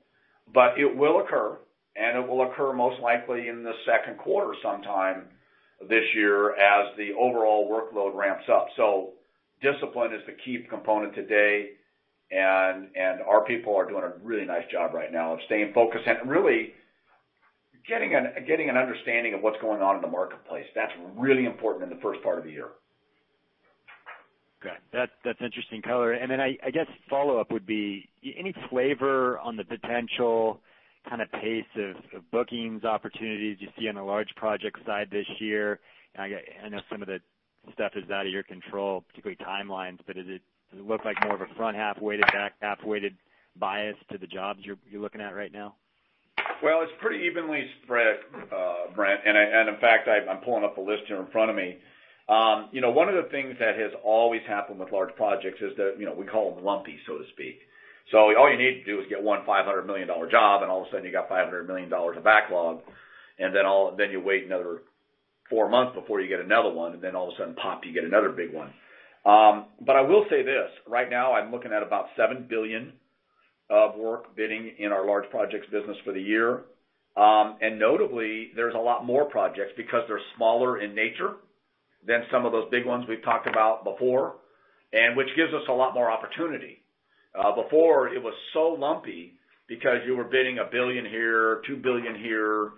but it will occur, and it will occur most likely in the second quarter, sometime this year, as the overall workload ramps up. Discipline is the key component today, and our people are doing a really nice job right now of staying focused and really getting an understanding of what's going on in the marketplace. That's really important in the first part of the year. Okay. That's, that's interesting color. And then I, I guess follow-up would be: any flavor on the potential kind of pace of, of bookings opportunities you see on the large project side this year? I get--I know some of the stuff is out of your control, particularly timelines, but does it, does it look like more of a front half-weighted, back half-weighted bias to the jobs you're, you're looking at right now? Well, it's pretty evenly spread, Brent, and in fact, I, I'm pulling up a list here in front of me. You know, one of the things that has always happened with large projects is that, you know, we call them lumpy, so to speak. So all you need to do is get one $500 million job, and all of a sudden you got $500 million of backlog, and then you wait another 4 months before you get another one, and then all of a sudden, pop, you get another big one. But I will say this: right now, I'm looking at about $7 billion of work bidding in our large projects business for the year. And notably, there's a lot more projects, because they're smaller in nature. than some of those big ones we've talked about before, and which gives us a lot more opportunity. Before, it was so lumpy because you were bidding $1 billion here, $2 billion here,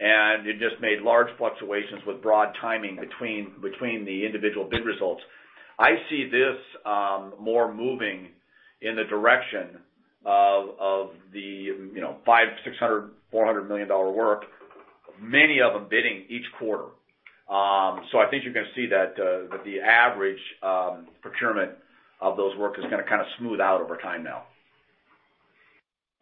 and it just made large fluctuations with broad timing between the individual bid results. I see this more moving in the direction of the, you know, $500 million, $600 million, $400 million work, many of them bidding each quarter. So I think you're gonna see that the average procurement of those work is gonna kind of smooth out over time now.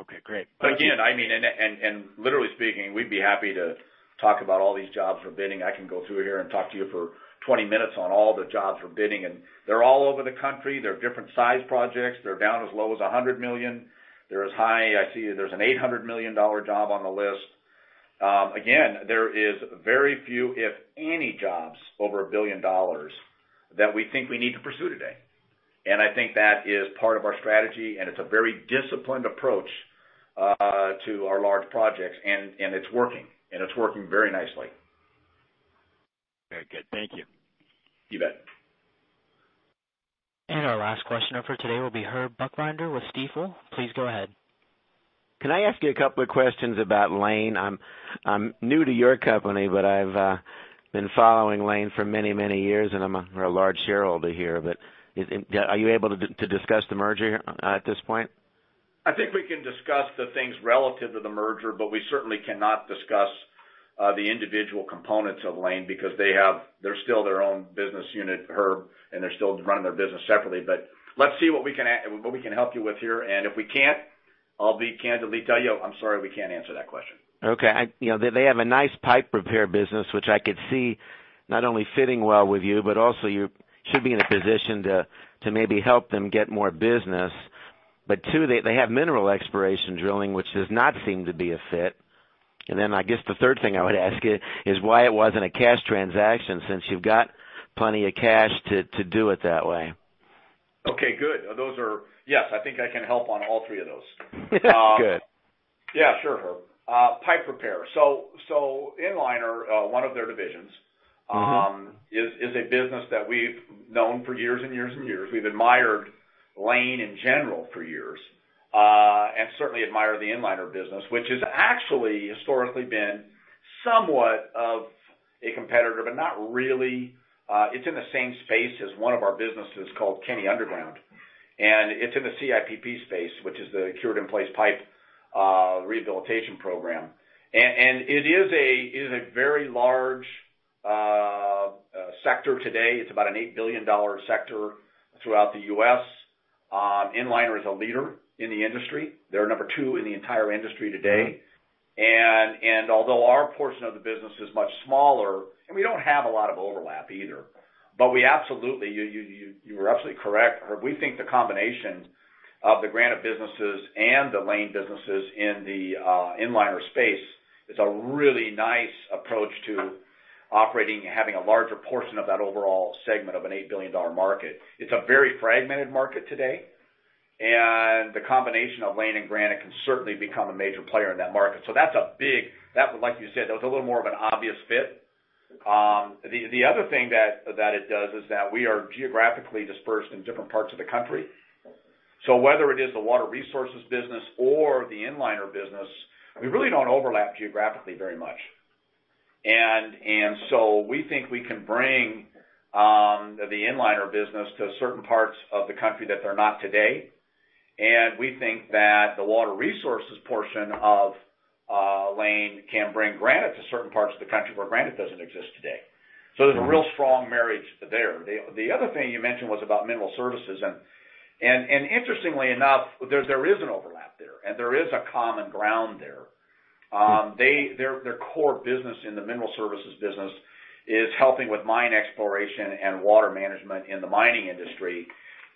Okay, great. But again, I mean, and literally speaking, we'd be happy to talk about all these jobs we're bidding. I can go through here and talk to you for 20 minutes on all the jobs we're bidding, and they're all over the country. They're different size projects. They're down as low as $100 million. They're as high, I see there's an $800 million dollar job on the list. Again, there is very few, if any, jobs over $1 billion that we think we need to pursue today. And I think that is part of our strategy, and it's a very disciplined approach to our large projects, and it's working, and it's working very nicely. Very good. Thank you. You bet. Our last questioner for today will be Herb Buchbinder with Stifel. Please go ahead. Can I ask you a couple of questions about Layne? I'm new to your company, but I've been following Layne for many, many years, and I'm a large shareholder here, but are you able to discuss the merger at this point? I think we can discuss the things relative to the merger, but we certainly cannot discuss the individual components of Layne because they have... They're still their own business unit, Herb, and they're still running their business separately. But let's see what we can help you with here, and if we can't, I'll be candidly tell you, "I'm sorry, we can't answer that question. Okay. You know, they, they have a nice pipe repair business, which I could see not only fitting well with you, but also you should be in a position to, to maybe help them get more business. But two, they, they have mineral exploration drilling, which does not seem to be a fit. And then I guess the third thing I would ask you is why it wasn't a cash transaction, since you've got plenty of cash to, to do it that way? Okay, good. Those are. Yes, I think I can help on all three of those. Good. Yeah, sure, Herb. Pipe repair. So, Inliner, one of their divisions- Mm-hmm... is a business that we've known for years and years and years. We've admired Layne in general for years, and certainly admire the Inliner business, which has actually historically been somewhat of a competitor, but not really. It's in the same space as one of our businesses called Kenny Underground, and it's in the CIPP space, which is the Cured-in-Place Pipe Rehabilitation Program. And it is a very large sector today. It's about an $8 billion sector throughout the US. Inliner is a leader in the industry. They're number two in the entire industry today. And although our portion of the business is much smaller, and we don't have a lot of overlap either, but we absolutely you are absolutely correct, Herb. We think the combination of the Granite businesses and the Layne businesses in the Inliner space is a really nice approach to operating and having a larger portion of that overall segment of an $8 billion market. It's a very fragmented market today, and the combination of Layne and Granite can certainly become a major player in that market. So that's a big... That, like you said, that was a little more of an obvious fit. The other thing that it does is that we are geographically dispersed in different parts of the country. So whether it is the water resources business or the Inliner business, we really don't overlap geographically very much. And so we think we can bring the Inliner business to certain parts of the country that they're not today. We think that the water resources portion of Layne can bring Granite to certain parts of the country where Granite doesn't exist today. Mm-hmm. So there's a real strong marriage there. The other thing you mentioned was about mineral services, and interestingly enough, there is an overlap there, and there is a common ground there. Their core business in the mineral services business is helping with mine exploration and water management in the mining industry.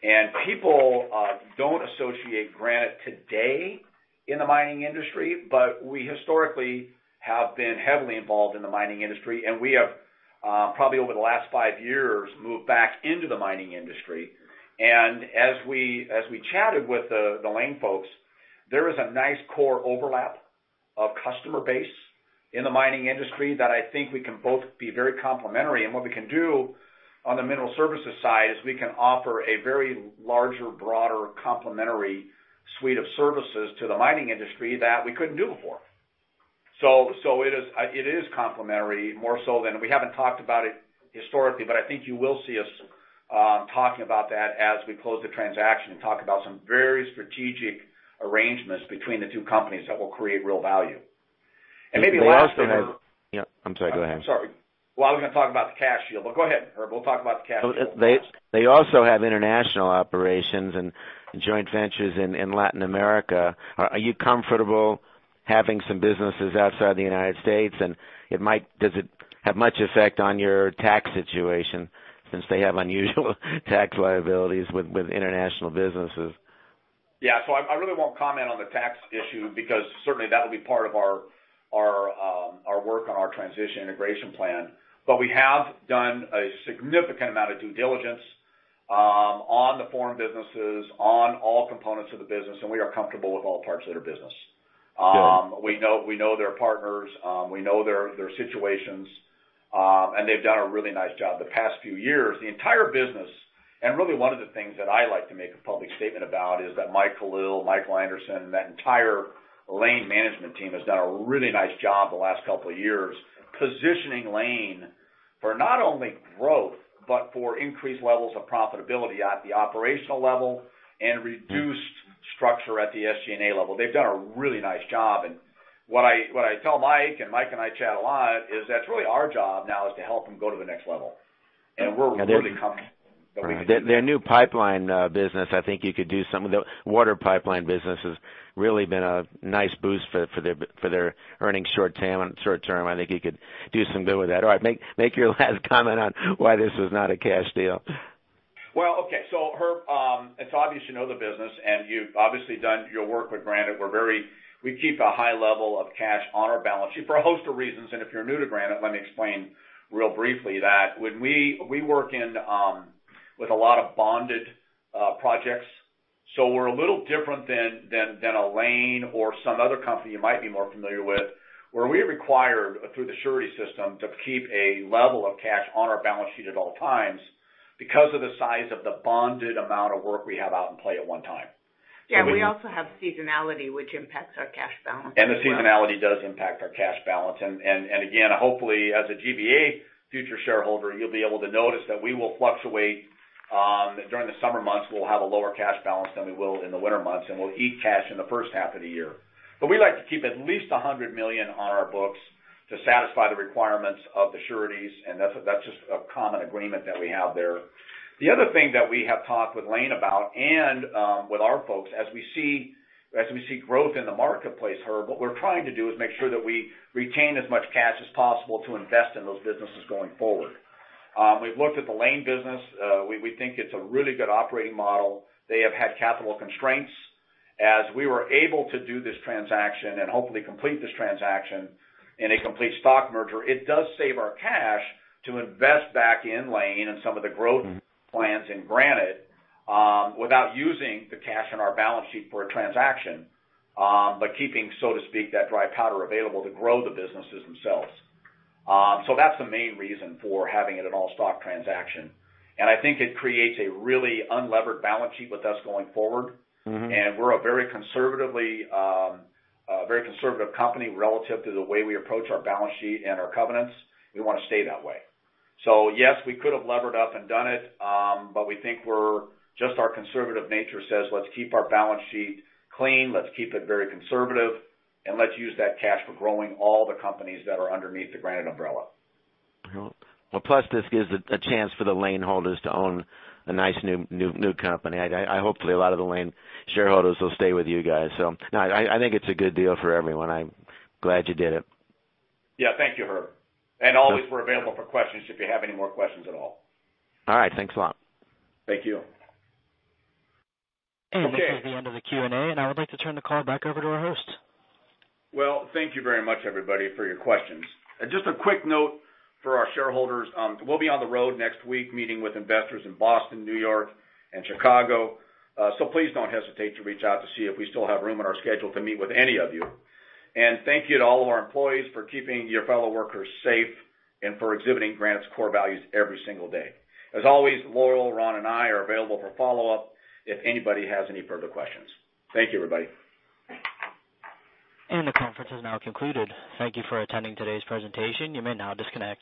And people don't associate Granite today in the mining industry, but we historically have been heavily involved in the mining industry, and we have probably over the last 5 years, moved back into the mining industry. And as we chatted with the Layne folks, there is a nice core overlap of customer base in the mining industry that I think we can both be very complementary. And what we can do on the mineral services side is we can offer a very larger, broader, complementary suite of services to the mining industry that we couldn't do before. So, it is complementary, more so than-- We haven't talked about it historically, but I think you will see us talking about that as we close the transaction and talk about some very strategic arrangements between the two companies that will create real value. And maybe last- They also have- Yeah, I'm sorry, go ahead. I'm sorry. Well, I was gonna talk about the cash shield, but go ahead, Herb. We'll talk about the cash flow. They also have international operations and joint ventures in Latin America. Are you comfortable having some businesses outside the United States? And does it have much effect on your tax situation since they have unusual tax liabilities with international businesses? Yeah, so I, I really won't comment on the tax issue, because certainly that will be part of our, our, work on our transition integration plan. But we have done a significant amount of due diligence on the foreign businesses, on all components of the business, and we are comfortable with all parts of their business. We know, we know their partners, we know their situations, and they've done a really nice job. The past few years, the entire business, and really one of the things that I like to make a public statement about is that Mike Caliel, Mike Anderson, and that entire Layne management team has done a really nice job the last couple of years, positioning Layne for not only growth, but for increased levels of profitability at the operational level and reduced structure at the SG&A level. They've done a really nice job, and what I tell Mike, and Mike and I chat a lot, is that's really our job now is to help them go to the next level. And we're really coming. Right. Their new pipeline business, I think you could do something, the water pipeline business has really been a nice boost for their earnings short term, short term. I think you could do some good with that. All right, make your last comment on why this is not a cash deal. Well, okay, so Herb, it's obvious you know the business, and you've obviously done your work with Granite. We're very. We keep a high level of cash on our balance sheet for a host of reasons, and if you're new to Granite, let me explain real briefly that when we work in with a lot of bonded projects. So we're a little different than a Layne or some other company you might be more familiar with, where we are required, through the surety system, to keep a level of cash on our balance sheet at all times because of the size of the bonded amount of work we have out in play at one time. Yeah, we also have seasonality, which impacts our cash balance. The seasonality does impact our cash balance. And again, hopefully, as a GVA future shareholder, you'll be able to notice that we will fluctuate during the summer months. We'll have a lower cash balance than we will in the winter months, and we'll eat cash in the first half of the year. But we like to keep at least $100 million on our books to satisfy the requirements of the sureties, and that's just a common agreement that we have there. The other thing that we have talked with Layne about and with our folks, as we see growth in the marketplace, Herb, what we're trying to do is make sure that we retain as much cash as possible to invest in those businesses going forward. We've looked at the Layne business. We think it's a really good operating model. They have had capital constraints. As we were able to do this transaction and hopefully complete this transaction in a complete stock merger, it does save our cash to invest back in Layne and some of the growth plans in Granite, without using the cash on our balance sheet for a transaction, but keeping, so to speak, that dry powder available to grow the businesses themselves. So that's the main reason for having it an all-stock transaction. And I think it creates a really unlevered balance sheet with us going forward. Mm-hmm. We're a very conservatively, very conservative company relative to the way we approach our balance sheet and our covenants. We wanna stay that way. So yes, we could have levered up and done it, but we think we're just our conservative nature says, "Let's keep our balance sheet clean, let's keep it very conservative, and let's use that cash for growing all the companies that are underneath the Granite umbrella. Well, plus, this gives a chance for the Layne holders to own a nice new company. Hopefully, a lot of the Layne shareholders will stay with you guys, so... No, I think it's a good deal for everyone. I'm glad you did it. Yeah. Thank you, Herb. Always, we're available for questions if you have any more questions at all. All right. Thanks a lot. Thank you. This is the end of the Q&A, and I would like to turn the call back over to our host. Well, thank you very much, everybody, for your questions. And just a quick note for our shareholders, we'll be on the road next week, meeting with investors in Boston, New York, and Chicago. So please don't hesitate to reach out to see if we still have room in our schedule to meet with any of you. And thank you to all of our employees for keeping your fellow workers safe and for exhibiting Granite's core values every single day. As always, Laurel, Ron, and I are available for follow-up if anybody has any further questions. Thank you, everybody. The conference is now concluded. Thank you for attending today's presentation. You may now disconnect.